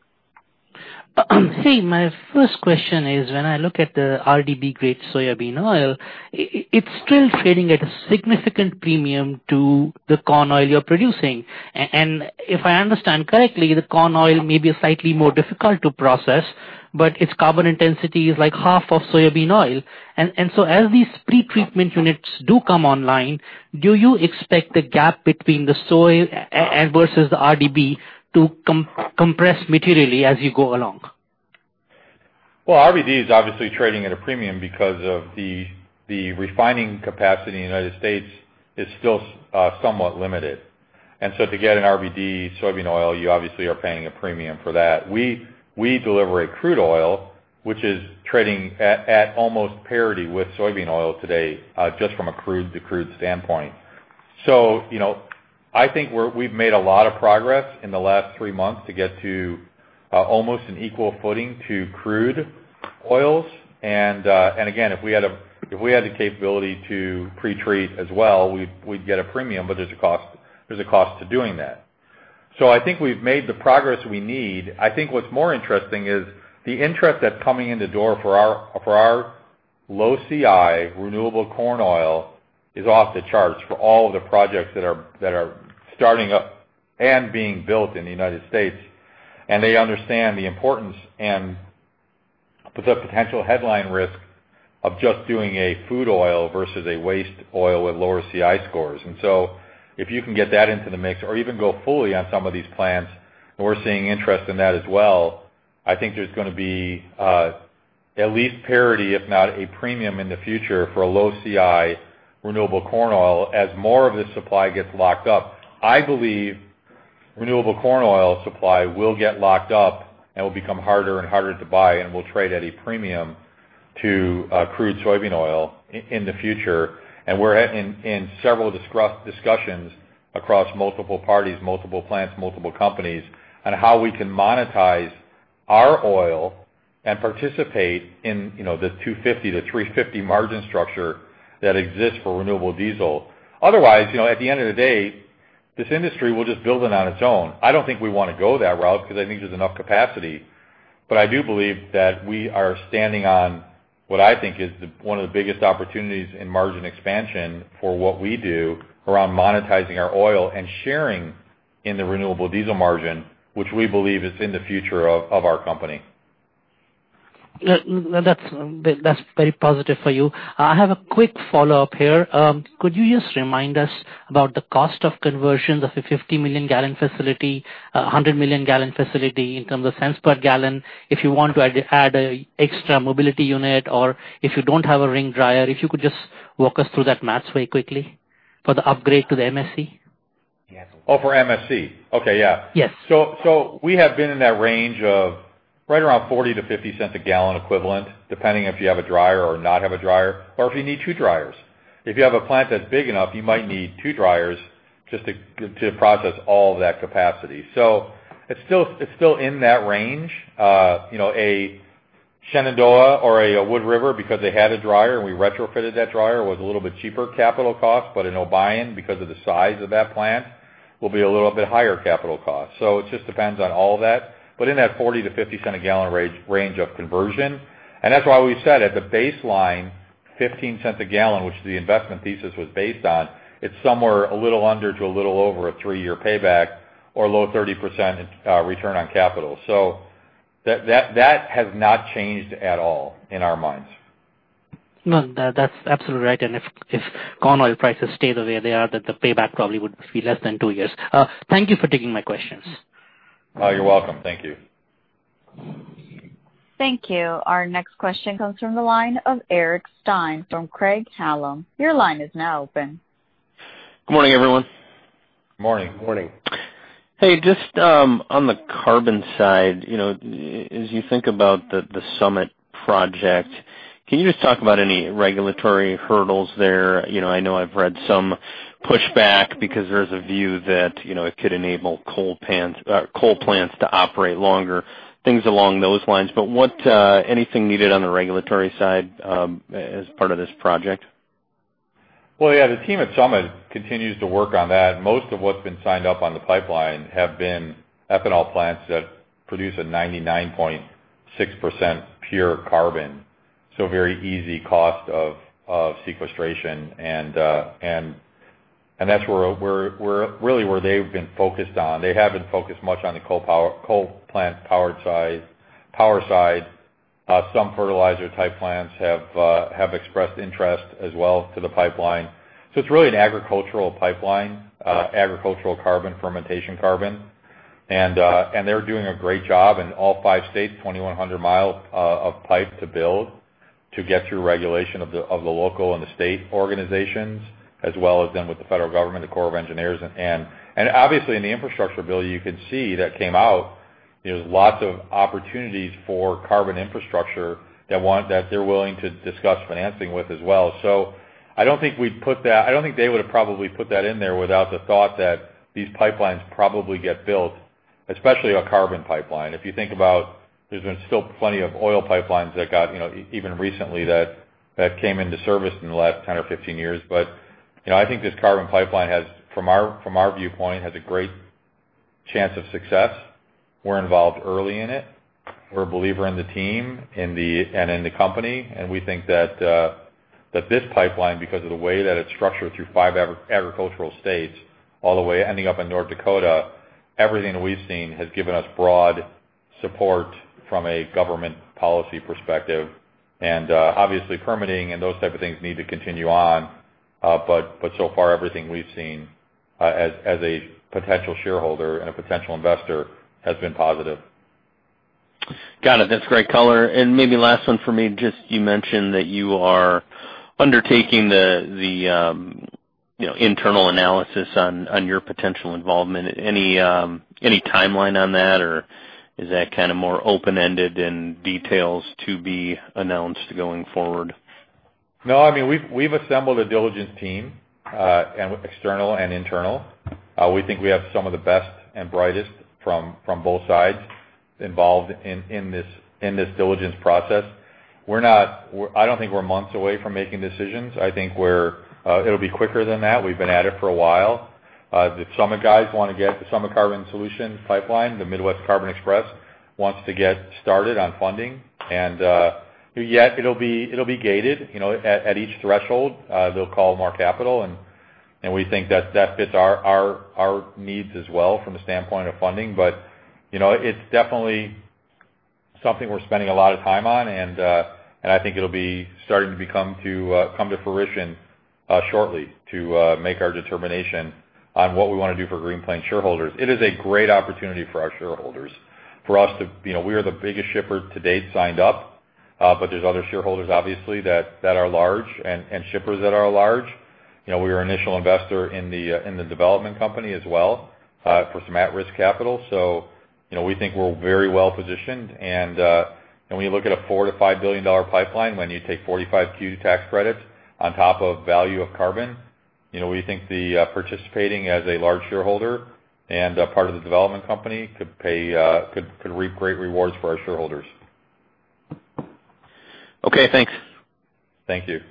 My first question is, when I look at the RBD grade soybean oil, it's still trading at a significant premium to the corn oil you're producing. If I understand correctly, the corn oil may be slightly more difficult to process, but its carbon intensity is like half of soybean oil. As these pretreatment units do come online, do you expect the gap between the soy versus the RBD to compress materially as you go along? Well, RBD is obviously trading at a premium because of the refining capacity in the U.S. is still somewhat limited. To get an RBD soybean oil, you obviously are paying a premium for that. We deliver a crude oil, which is trading at almost parity with soybean oil today, just from a crude to crude standpoint. I think we've made a lot of progress in the last 3 months to get to almost an equal footing to crude oils. Again, if we had the capability to pretreat as well, we'd get a premium, but there's a cost to doing that. I think we've made the progress we need. I think what's more interesting is the interest that's coming in the door for our low CI renewable corn oil is off the charts for all of the projects that are starting up and being built in the U.S. They understand the importance and the potential headline risk of just doing a food oil versus a waste oil with lower CI scores. If you can get that into the mix or even go fully on some of these plants, and we're seeing interest in that as well, I think there's going to be at least parity, if not a premium in the future for a low CI renewable corn oil as more of this supply gets locked up. I believe renewable corn oil supply will get locked up and will become harder and harder to buy and will trade at a premium to crude soybean oil in the future. We're in several discussions across multiple parties, multiple plants, multiple companies, on how we can monetize our oil and participate in the $250 to $350 margin structure that exists for renewable diesel. Otherwise, at the end of the day, this industry will just build it on its own. I don't think we want to go that route because I think there's enough capacity. I do believe that we are standing on what I think is one of the biggest opportunities in margin expansion for what we do around monetizing our oil and sharing in the renewable diesel margin, which we believe is in the future of our company. That's very positive for you. I have a quick follow-up here. Could you just remind us about the cost of conversions of a 50 million gallon facility, 100 million gallon facility in terms of cents per gallon, if you want to add extra mobility unit or if you don't have a ring dryer, if you could just walk us through that math very quickly for the upgrade to the MSC? Oh, for MSC. Okay, yeah. Yes. We have been in that range of right around $0.40-$0.50 a gallon equivalent, depending if you have a dryer or not have a dryer, or if you need two dryers. If you have a plant that's big enough, you might need two dryers just to process all of that capacity. It's still in that range. A Shenandoah or a Wood River, because they had a dryer and we retrofitted that dryer, was a little bit cheaper capital cost, but an Obion, because of the size of that plant, will be a little bit higher capital cost. It just depends on all of that. In that $0.40-$0.50 a gallon range of conversion. That's why we said at the baseline, $0.15 a gallon, which the investment thesis was based on, it's somewhere a little under to a little over a three-year payback or low 30% return on capital. That has not changed at all in our minds. No, that's absolutely right. If corn oil prices stay the way they are, the payback probably would be less than three years. Thank you for taking my questions. You're welcome. Thank you. Thank you. Our next question comes from the line of Eric Stine from Craig-Hallum. Your line is now open. Good morning, everyone. Morning. Morning. Hey, just on the carbon side, as you think about the Summit project, can you just talk about any regulatory hurdles there? I know I've read some pushback because there's a view that it could enable coal plants to operate longer, things along those lines. Anything needed on the regulatory side as part of this project? Well, yeah, the team at Summit continues to work on that. Most of what's been signed up on the pipeline have been ethanol plants that produce a 99.6% pure carbon. Very easy cost of sequestration. That's really where they've been focused on. They haven't focused much on the coal plant power side. Some fertilizer type plants have expressed interest as well to the pipeline. It's really an agricultural pipeline, agricultural carbon, fermentation carbon. They're doing a great job in all five states, 2,100 miles of pipe to build to get through regulation of the local and the state organizations, as well as then with the federal government, the Corps of Engineers. Obviously in the infrastructure bill, you could see that came out, there's lots of opportunities for carbon infrastructure that they're willing to discuss financing with as well. I don't think they would have probably put that in there without the thought that these pipelines probably get built, especially a carbon pipeline. If you think about there's been still plenty of oil pipelines that got, even recently, that came into service in the last 10 or 15 years. I think this carbon pipeline has, from our viewpoint, has a great chance of success. We're involved early in it. We're a believer in the team and in the company, and we think that this pipeline, because of the way that it's structured through 5 agricultural states, all the way ending up in North Dakota, everything that we've seen has given us broad support from a government policy perspective. Obviously permitting and those type of things need to continue on. So far, everything we've seen, as a potential shareholder and a potential investor, has been positive. Got it. That's great color. Maybe last one for me, just you mentioned that you are undertaking the internal analysis on your potential involvement. Any timeline on that, or is that more open-ended and details to be announced going forward? No, we've assembled a diligence team, external and internal. We think we have some of the best and brightest from both sides involved in this diligence process. I don't think we're months away from making decisions. I think it'll be quicker than that. We've been at it for a while. The Summit guys want to get the Summit Carbon Solutions pipeline, the Midwest Carbon Express, wants to get started on funding. Yet it'll be gated. At each threshold, they'll call more capital, and we think that fits our needs as well from the standpoint of funding. It's definitely something we're spending a lot of time on, and I think it'll be starting to come to fruition shortly to make our determination on what we want to do for Green Plains shareholders. It is a great opportunity for our shareholders. We are the biggest shipper to date signed up. There's other shareholders obviously that are large and shippers that are large. We were an initial investor in the development company as well for some at-risk capital. We think we're very well positioned. When you look at a $4 billion-$5 billion pipeline, when you take 45Q tax credits on top of value of carbon, we think the participating as a large shareholder and part of the development company could reap great rewards for our shareholders. Okay, thanks. Thank you.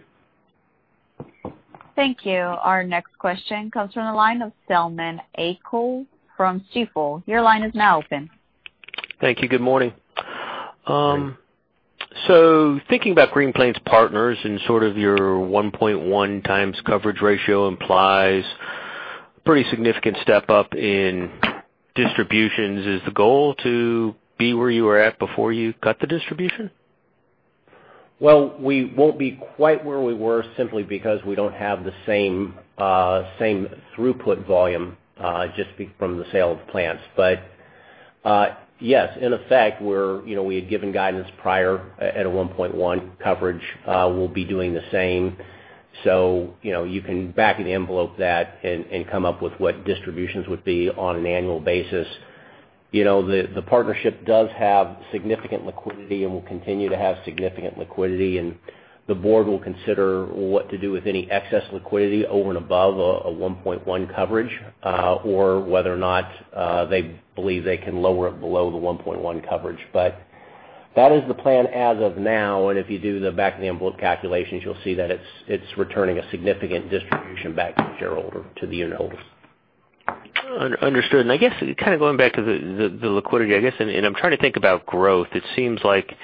Thank you. Our next question comes from the line of Selman Akyol from Stifel. Your line is now open. Thank you. Good morning. Good morning. Thinking about Green Plains Partners and sort of your 1.1x coverage ratio implies pretty significant step up in distributions. Is the goal to be where you were at before you cut the distribution? Well, we won't be quite where we were simply because we don't have the same throughput volume just from the sale of the plants. Yes, in effect, we had given guidance prior at a 1.1x coverage. We'll be doing the same. You can back-of-the-envelope that and come up with what distributions would be on an annual basis. The partnership does have significant liquidity and will continue to have significant liquidity, and the board will consider what to do with any excess liquidity over and above a 1.1x coverage, or whether or not they believe they can lower it below the 1.1x coverage. That is the plan as of now, and if you do the back-of-the-envelope calculations, you'll see that it's returning a significant distribution back to the shareholder, to the unitholders. Understood. I guess, kind of going back to the liquidity, I guess, and I'm trying to think about growth. It seems like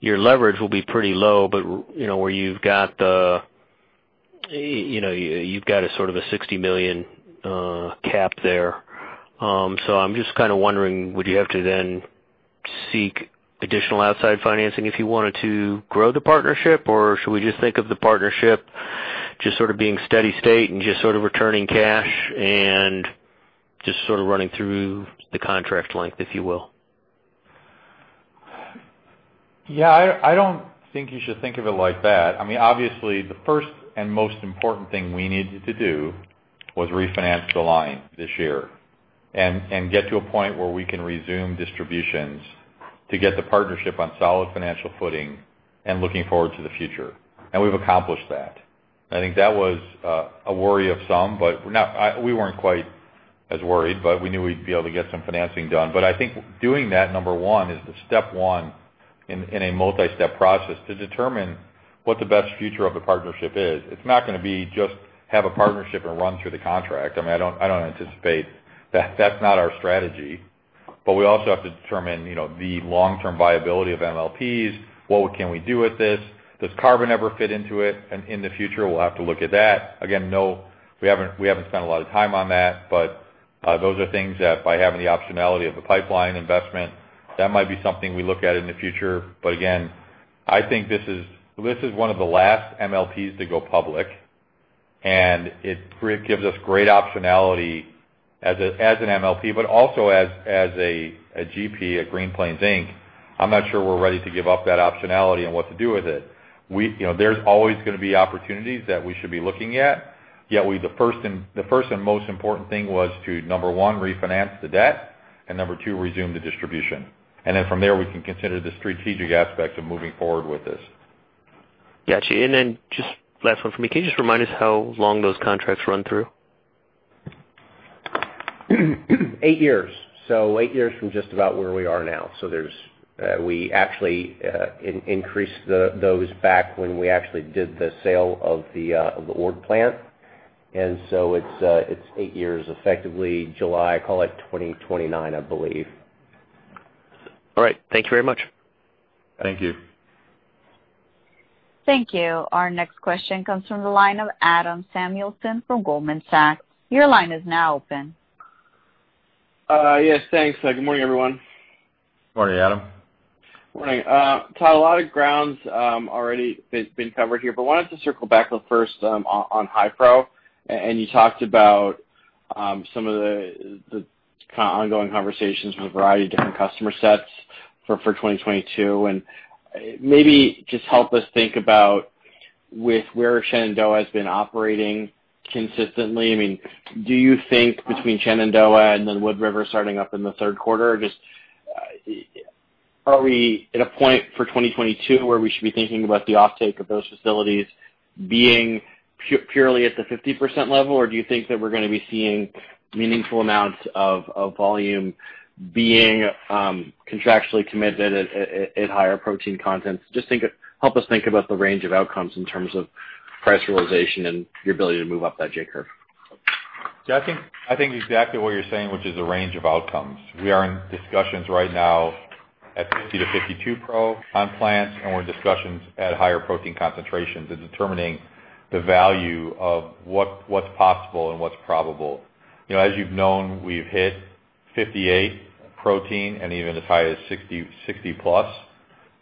your leverage will be pretty low, but where you've got a sort of a $60 million cap there. I'm just kind of wondering, would you have to then seek additional outside financing if you wanted to grow the partnership? Or should we just think of the partnership just sort of being steady state and just sort of returning cash and just sort of running through the contract length, if you will? Yeah, I don't think you should think of it like that. Obviously, the first and most important thing we needed to do was refinance the line this year and get to a point where we can resume distributions to get the partnership on solid financial footing and looking forward to the future. We've accomplished that. I think that was a worry of some, but we weren't quite as worried, but we knew we'd be able to get some financing done. I think doing that, number one, is the step one in a multi-step process to determine what the best future of the partnership is. It's not going to be just have a partnership and run through the contract. That's not our strategy. We also have to determine the long-term viability of MLPs. What can we do with this? Does carbon ever fit into it? In the future, we'll have to look at that. No, we haven't spent a lot of time on that, but those are things that by having the optionality of a pipeline investment, that might be something we look at in the future. Again, I think this is one of the last MLPs to go public, and it gives us great optionality as an MLP, but also as a GP at Green Plains Inc. I'm not sure we're ready to give up that optionality on what to do with it. There's always going to be opportunities that we should be looking at, yet the first and most important thing was to, number one, refinance the debt and number two, resume the distribution. From there, we can consider the strategic aspects of moving forward with this. Got you. Just last one for me. Can you just remind us how long those contracts run through? Eight years. Eight years from just about where we are now. We actually increased those back when we actually did the sale of the Ord plant. It's eight years, effectively July, call it 2029, I believe. All right. Thank you very much. Thank you. Thank you. Our next question comes from the line of Adam Samuelson from Goldman Sachs. Your line is now open. Yes, thanks. Good morning, everyone. Morning, Adam. Morning. Todd, a lot of ground's already been covered here, wanted to circle back first on high pro, you talked about some of the ongoing conversations with a variety of different customer sets for 2022. Maybe just help us think about with where Shenandoah has been operating consistently. Do you think between Shenandoah and then Wood River starting up in the third quarter, just are we at a point for 2022 where we should be thinking about the offtake of those facilities being purely at the 50% level? Do you think that we're going to be seeing meaningful amounts of volume being contractually committed at higher protein contents? Just help us think about the range of outcomes in terms of price realization and your ability to move up that J-curve. Yeah, I think exactly what you're saying, which is a range of outcomes. We are in discussions right now at 50-52 pro on plants, and we're in discussions at higher protein concentrations and determining the value of what's possible and what's probable. As you've known, we've hit 58 protein and even as high as 60+.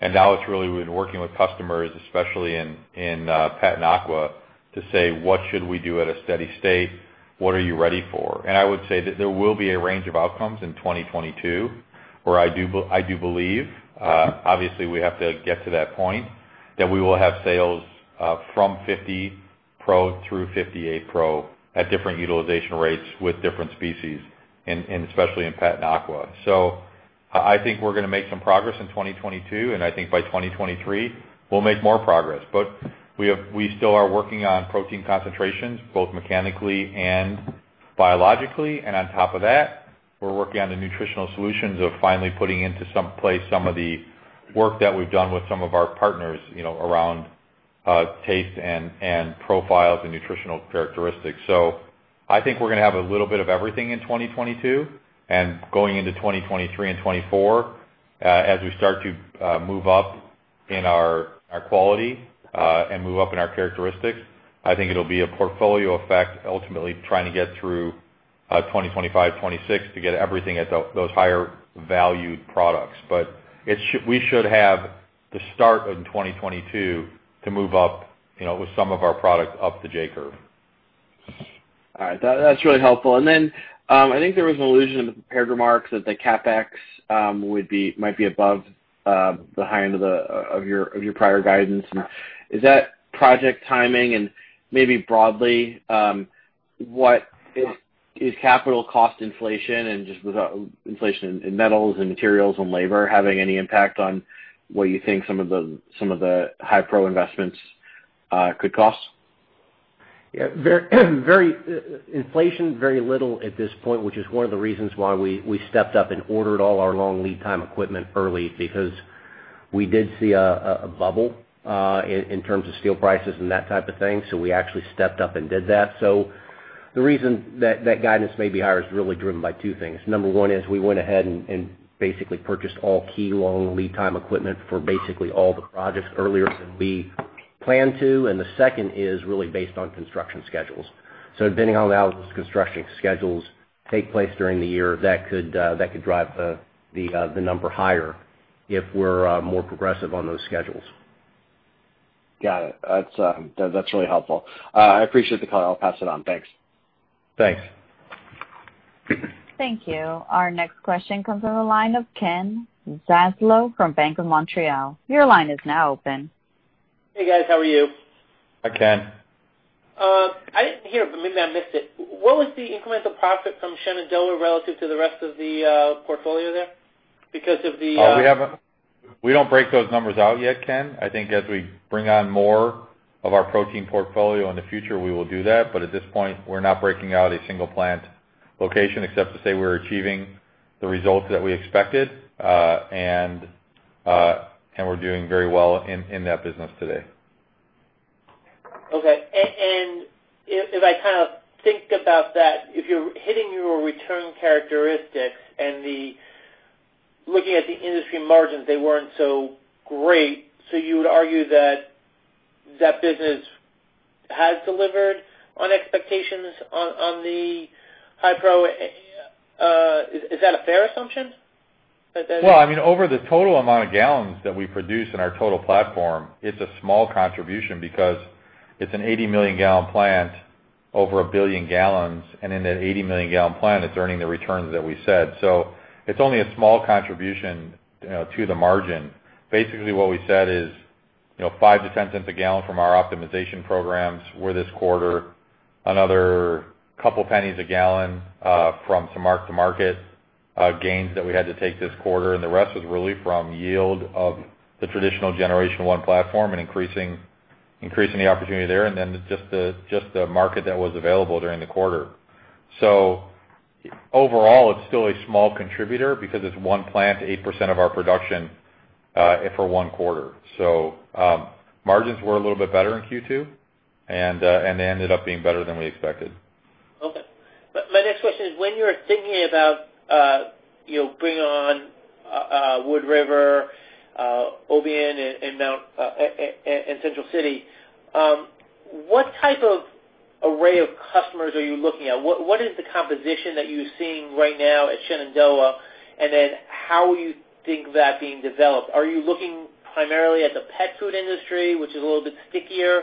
Now it's really we've been working with customers, especially in Pet and Aqua, to say, "What should we do at a steady state? What are you ready for?" I would say that there will be a range of outcomes in 2022 where I do believe, obviously, we have to get to that point, that we will have sales from 50 pro through 58 pro at different utilization rates with different species, and especially in Pet and Aqua. I think we're going to make some progress in 2022, and I think by 2023 we'll make more progress. We still are working on protein concentrations, both mechanically and biologically. On top of that, we're working on the nutritional solutions of finally putting into some place some of the work that we've done with some of our partners around taste and profiles and nutritional characteristics. I think we're going to have a little bit of everything in 2022. Going into 2023 and 2024, as we start to move up in our quality and move up in our characteristics, I think it'll be a portfolio effect, ultimately trying to get through 2025, 2026 to get everything at those higher valued products. We should have the start of 2022 to move up with some of our product up the J-curve. All right. That's really helpful. I think there was an allusion in the prepared remarks that the CapEx might be above the high end of your prior guidance. Is that project timing? Maybe broadly, is capital cost inflation and just with the inflation in metals and materials and labor having any impact on what you think some of the high pro investments could cost? Inflation, very little at this point, which is one of the reasons why we stepped up and ordered all our long lead time equipment early because we did see a bubble in terms of steel prices and that type of thing. We actually stepped up and did that. The reason that that guidance may be higher is really driven by two things. Number one is we went ahead and basically purchased all key long lead time equipment for basically all the projects earlier than we planned to. The second is really based on construction schedules. Depending on how those construction schedules take place during the year, that could drive the number higher if we're more progressive on those schedules. Got it. That's really helpful. I appreciate the call. I'll pass it on. Thanks. Thanks. Thank you. Our next question comes from the line of Ken Zaslow from BMO Capital Markets. Your line is now open. Hey, guys. How are you? Hi, Ken. I didn't hear, but maybe I missed it. What was the incremental profit from Shenandoah relative to the rest of the portfolio there? We don't break those numbers out yet, Ken. I think as we bring on more of our protein portfolio in the future, we will do that. At this point, we're not breaking out a single plant location except to say we're achieving the results that we expected. We're doing very well in that business today. Okay. If I think about that, if you're hitting your return characteristics and looking at the industry margins, they weren't so great, you would argue that that business has delivered on expectations on the high pro. Is that a fair assumption? Well, over the total amount of gallons that we produce in our total platform, it's a small contribution because it's an 80-million gallon plant over 1 billion gallons, and in that 80-million gallon plant, it's earning the returns that we said. It's only a small contribution to the margin. Basically, what we said is $0.05 to $0.10 a gallon from our optimization programs were this quarter another couple pennies a gallon from some mark-to-market gains that we had to take this quarter, and the rest was really from yield of the traditional generation 1 platform and increasing the opportunity there, and then just the market that was available during the quarter. Overall, it's still a small contributor because it's one plant, 8% of our production for 1 quarter. Margins were a little bit better in Q2, and they ended up being better than we expected. Okay. My next question is, when you're thinking about bringing on Wood River, Obion, and Central City, what type of array of customers are you looking at? What is the composition that you're seeing right now at Shenandoah? How are you think of that being developed? Are you looking primarily at the pet food industry, which is a little bit stickier?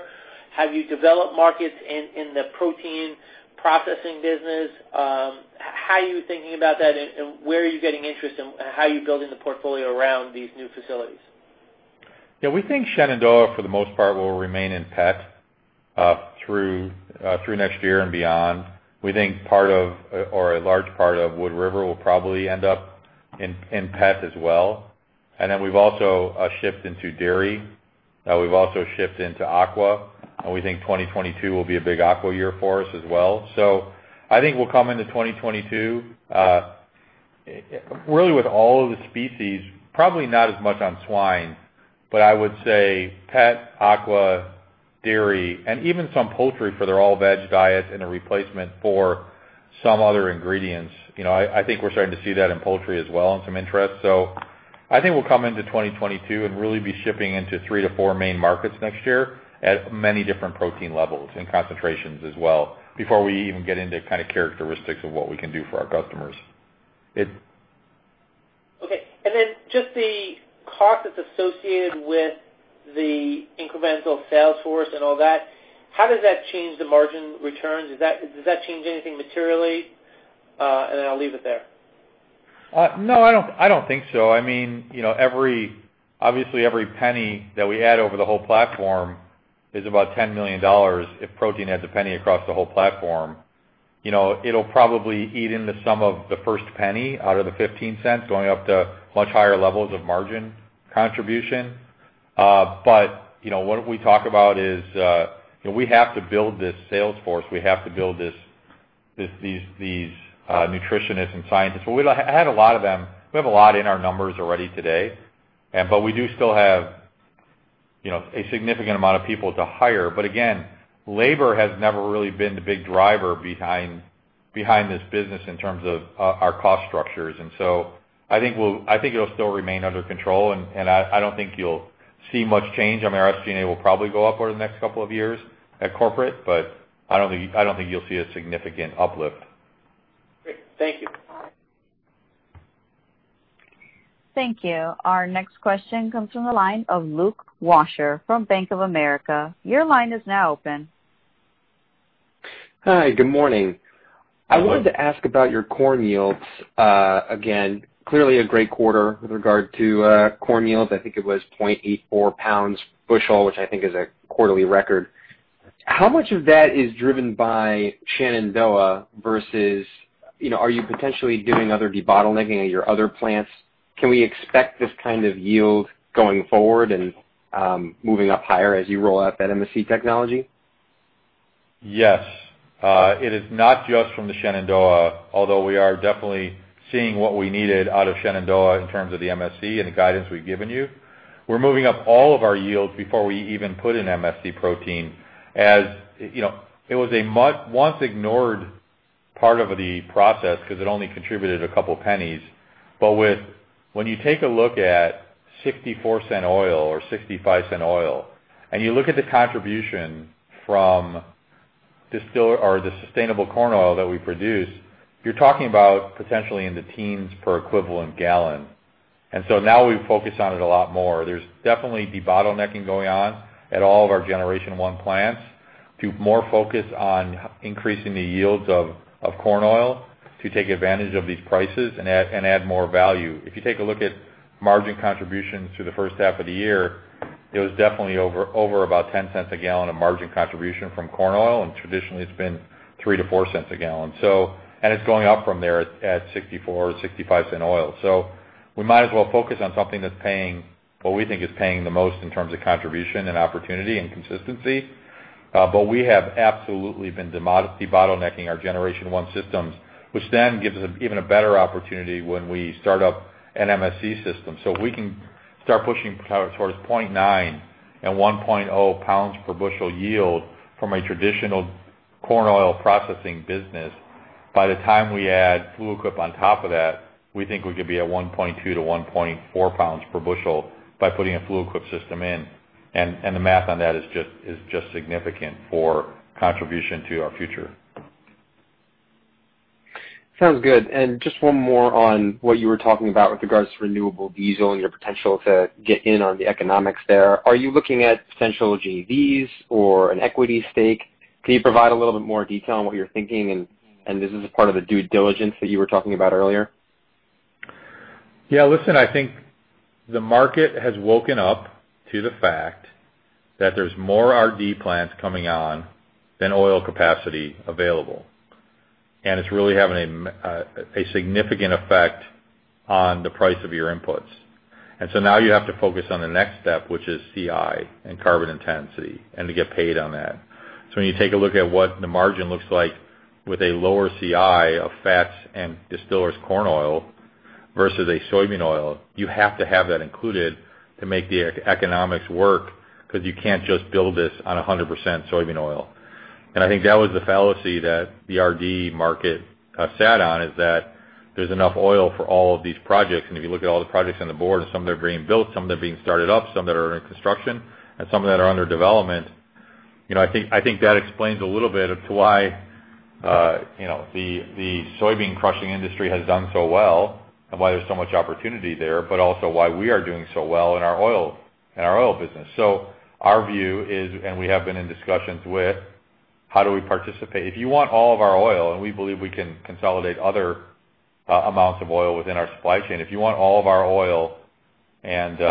Have you developed markets in the protein processing business? How are you thinking about that, and where are you getting interest, and how are you building the portfolio around these new facilities? Yeah. We think Shenandoah, for the most part, will remain in pet through next year and beyond. We think a large part of Wood River will probably end up in pet as well. We've also shipped into dairy. We've also shipped into aqua, and we think 2022 will be a big aqua year for us as well. I think we'll come into 2022, really with all of the species, probably not as much on swine, but I would say pet, aqua, dairy, and even some poultry for their all-veg diet and a replacement for some other ingredients. I think we're starting to see that in poultry as well and some interest. I think we'll come into 2022 and really be shipping into three or four main markets next year at many different protein levels and concentrations as well before we even get into characteristics of what we can do for our customers. Okay. Just the cost that's associated with the incremental sales force and all that, how does that change the margin returns? Does that change anything materially? I'll leave it there. No, I don't think so. Obviously, every $0.01 that we add over the whole platform is about $10 million, if protein adds $0.01 across the whole platform. It'll probably eat into some of the first $0.01 out of the $0.15, going up to much higher levels of margin contribution. What we talk about is, we have to build this sales force. We have to build these nutritionists and scientists. We have a lot of them. We have a lot in our numbers already today. We do still have a significant amount of people to hire. Again, labor has never really been the big driver behind this business in terms of our cost structures. I think it'll still remain under control, and I don't think you'll see much change. Our SG&A will probably go up over the next couple of years at corporate, but I don't think you'll see a significant uplift. Great. Thank you. Thank you. Our next question comes from the line of Luke Washer from Bank of America. Your line is now open. Hi, good morning. Good morning. I wanted to ask about your corn yields. Again, clearly a great quarter with regard to corn yields. I think it was 0.84 pounds bushel, which I think is a quarterly record. How much of that is driven by Shenandoah versus are you potentially doing other debottlenecking at your other plants? Can we expect this kind of yield going forward and moving up higher as you roll out that MSC technology? Yes. It is not just from the Shenandoah, although we are definitely seeing what we needed out of Shenandoah in terms of the MSC and the guidance we've given you. We're moving up all of our yields before we even put in MSC protein. As it was a much, once ignored part of the process because it only contributed a couple pennies. When you take a look at $0.64 oil or $0.65 oil, and you look at the contribution from the sustainable corn oil that we produce, you're talking about potentially in the teens per equivalent gallon. Now we focus on it a lot more. There's definitely debottlenecking going on at all of our generation 1 plants to more focus on increasing the yields of corn oil to take advantage of these prices and add more value. If you take a look at margin contributions through the first half of the year, it was definitely over about $0.10 a gallon of margin contribution from corn oil, and traditionally it's been $0.03-$0.04 a gallon. And it's going up from there at $0.64-$0.65 oil. So we might as well focus on something that we think is paying the most in terms of contribution and opportunity and consistency. But we have absolutely been debottlenecking our generation 1 systems, which then gives us even a better opportunity when we start up an MSC system. So if we can start pushing towards 0.9 and 1.0 pounds per bushel yield from a traditional corn oil processing business, by the time we add Fluid Quip on top of that, we think we could be at 1.2 to 1.4 pounds per bushel by putting a Fluid Quip system in. The math on that is just significant for contribution to our future. Sounds good. Just one more on what you were talking about with regards to renewable diesel and your potential to get in on the economics there. Are you looking at potential JVs or an equity stake? Can you provide a little bit more detail on what you're thinking, and this is a part of the due diligence that you were talking about earlier? Yeah. Listen, I think the market has woken up to the fact that there's more RD plants coming on than oil capacity available. It's really having a significant effect on the price of your inputs. Now you have to focus on the next step, which is CI and carbon intensity, and to get paid on that. When you take a look at what the margin looks like with a lower CI of fats and Distillers Corn Oil versus a soybean oil. You have to have that included to make the economics work, because you can't just build this on 100% soybean oil. I think that was the fallacy that the RD market sat on, is that there's enough oil for all of these projects. If you look at all the projects on the board, and some that are being built, some that are being started up, some that are under construction, and some that are under development. I think that explains a little bit as to why the soybean crushing industry has done so well and why there's so much opportunity there, but also why we are doing so well in our oil business. Our view is, and we have been in discussions with how do we participate. If you want all of our oil, and we believe we can consolidate other amounts of oil within our supply chain. If you want all of our oil and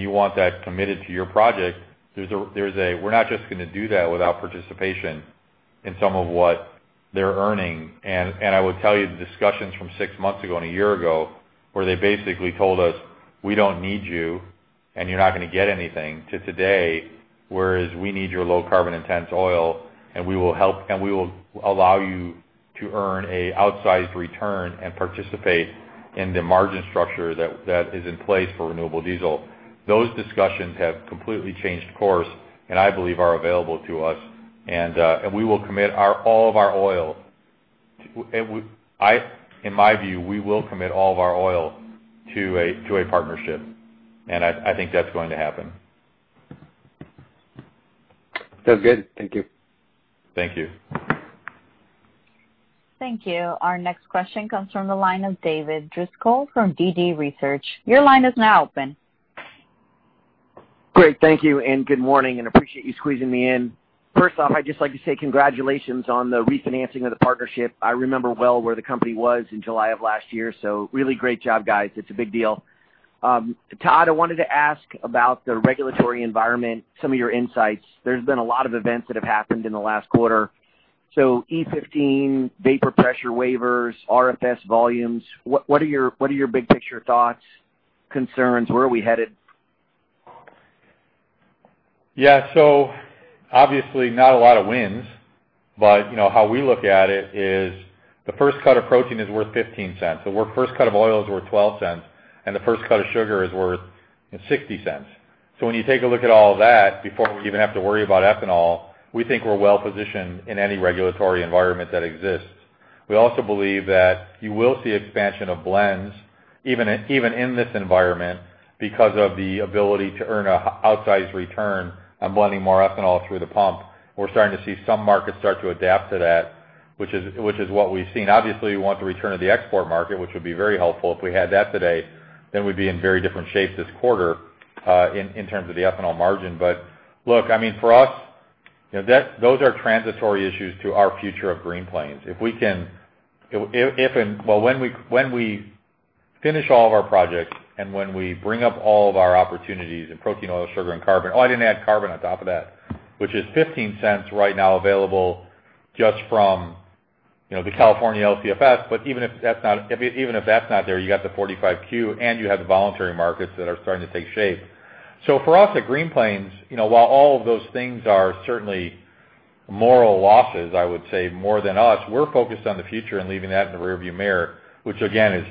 you want that committed to your project, we're not just going to do that without participation in some of what they're earning. I would tell you the discussions from six months ago and a year ago, where they basically told us, "We don't need you, and you're not going to get anything," to today, whereas, "We need your low carbon intense oil, and we will allow you to earn an outsized return and participate in the margin structure that is in place for renewable diesel." Those discussions have completely changed course and I believe are available to us. We will commit all of our oil. In my view, we will commit all of our oil to a partnership, and I think that's going to happen. Sounds good. Thank you. Thank you. Thank you. Our next question comes from the line of David Driscoll from DD Research. Your line is now open. Great. Thank you, and good morning, and appreciate you squeezing me in. First off, I'd just like to say congratulations on the refinancing of the partnership. I remember well where the company was in July of last year, so really great job, guys. It's a big deal. Todd, I wanted to ask about the regulatory environment, some of your insights. There's been a lot of events that have happened in the last quarter. E15 vapor pressure waivers, RFS volumes, what are your big picture thoughts, concerns? Where are we headed? Yeah. Obviously not a lot of wins, but how we look at it is the first cut of protein is worth $0.15, the first cut of oil is worth $0.12, and the first cut of sugar is worth $0.60. When you take a look at all of that, before we even have to worry about ethanol, we think we're well positioned in any regulatory environment that exists. We also believe that you will see expansion of blends, even in this environment, because of the ability to earn an outsized return on blending more ethanol through the pump. We're starting to see some markets start to adapt to that, which is what we've seen. Obviously, we want the return of the export market, which would be very helpful. If we had that today, then we'd be in very different shape this quarter in terms of the ethanol margin. Look, for us, those are transitory issues to our future of Green Plains. When we finish all of our projects and when we bring up all of our opportunities in protein, oil, sugar, and carbon. Oh, I didn't add carbon on top of that, which is $0.15 right now available just from the California LCFS. Even if that's not there, you got the 45Q, and you have the voluntary markets that are starting to take shape. For us at Green Plains, while all of those things are certainly moral losses, I would say more than us, we're focused on the future and leaving that in the rear view mirror, which again is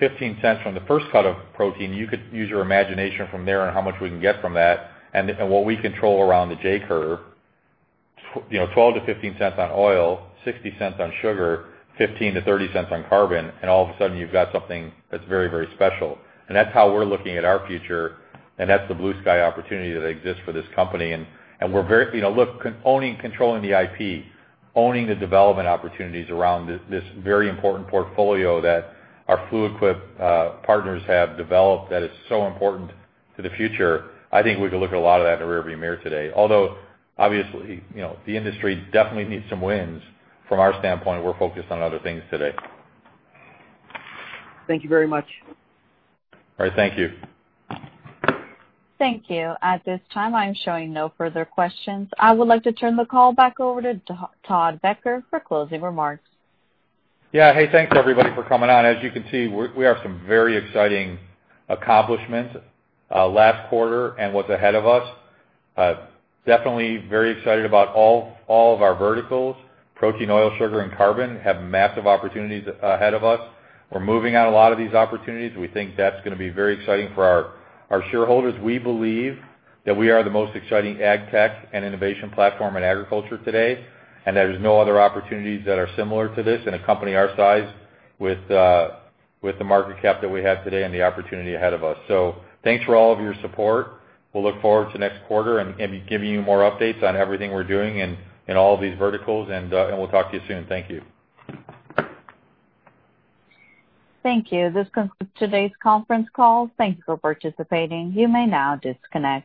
$0.15 from the first cut of protein. You could use your imagination from there on how much we can get from that and what we control around the J-curve. All of a sudden you've got something that's very, very special. That's how we're looking at our future, and that's the blue sky opportunity that exists for this company. Look, controlling the IP, owning the development opportunities around this very important portfolio that our Fluid Quip partners have developed that is so important to the future, I think we could look at a lot of that in the rear view mirror today. Although obviously, the industry definitely needs some wins. From our standpoint, we're focused on other things today. Thank you very much. All right. Thank you. Thank you. At this time, I am showing no further questions. I would like to turn the call back over to Todd Becker for closing remarks. Yeah. Hey, thanks everybody for coming on. As you can see, we have some very exciting accomplishments last quarter and what's ahead of us. Definitely very excited about all of our verticals. Protein, oil, sugar, and carbon have massive opportunities ahead of us. We're moving on a lot of these opportunities. We think that's going to be very exciting for our shareholders. We believe that we are the most exciting ag tech and innovation platform in agriculture today. There is no other opportunities that are similar to this in a company our size with the market cap that we have today and the opportunity ahead of us. Thanks for all of your support. We'll look forward to next quarter and giving you more updates on everything we're doing in all of these verticals. We'll talk to you soon. Thank you. Thank you. This concludes today's conference call. Thank you for participating. You may now disconnect.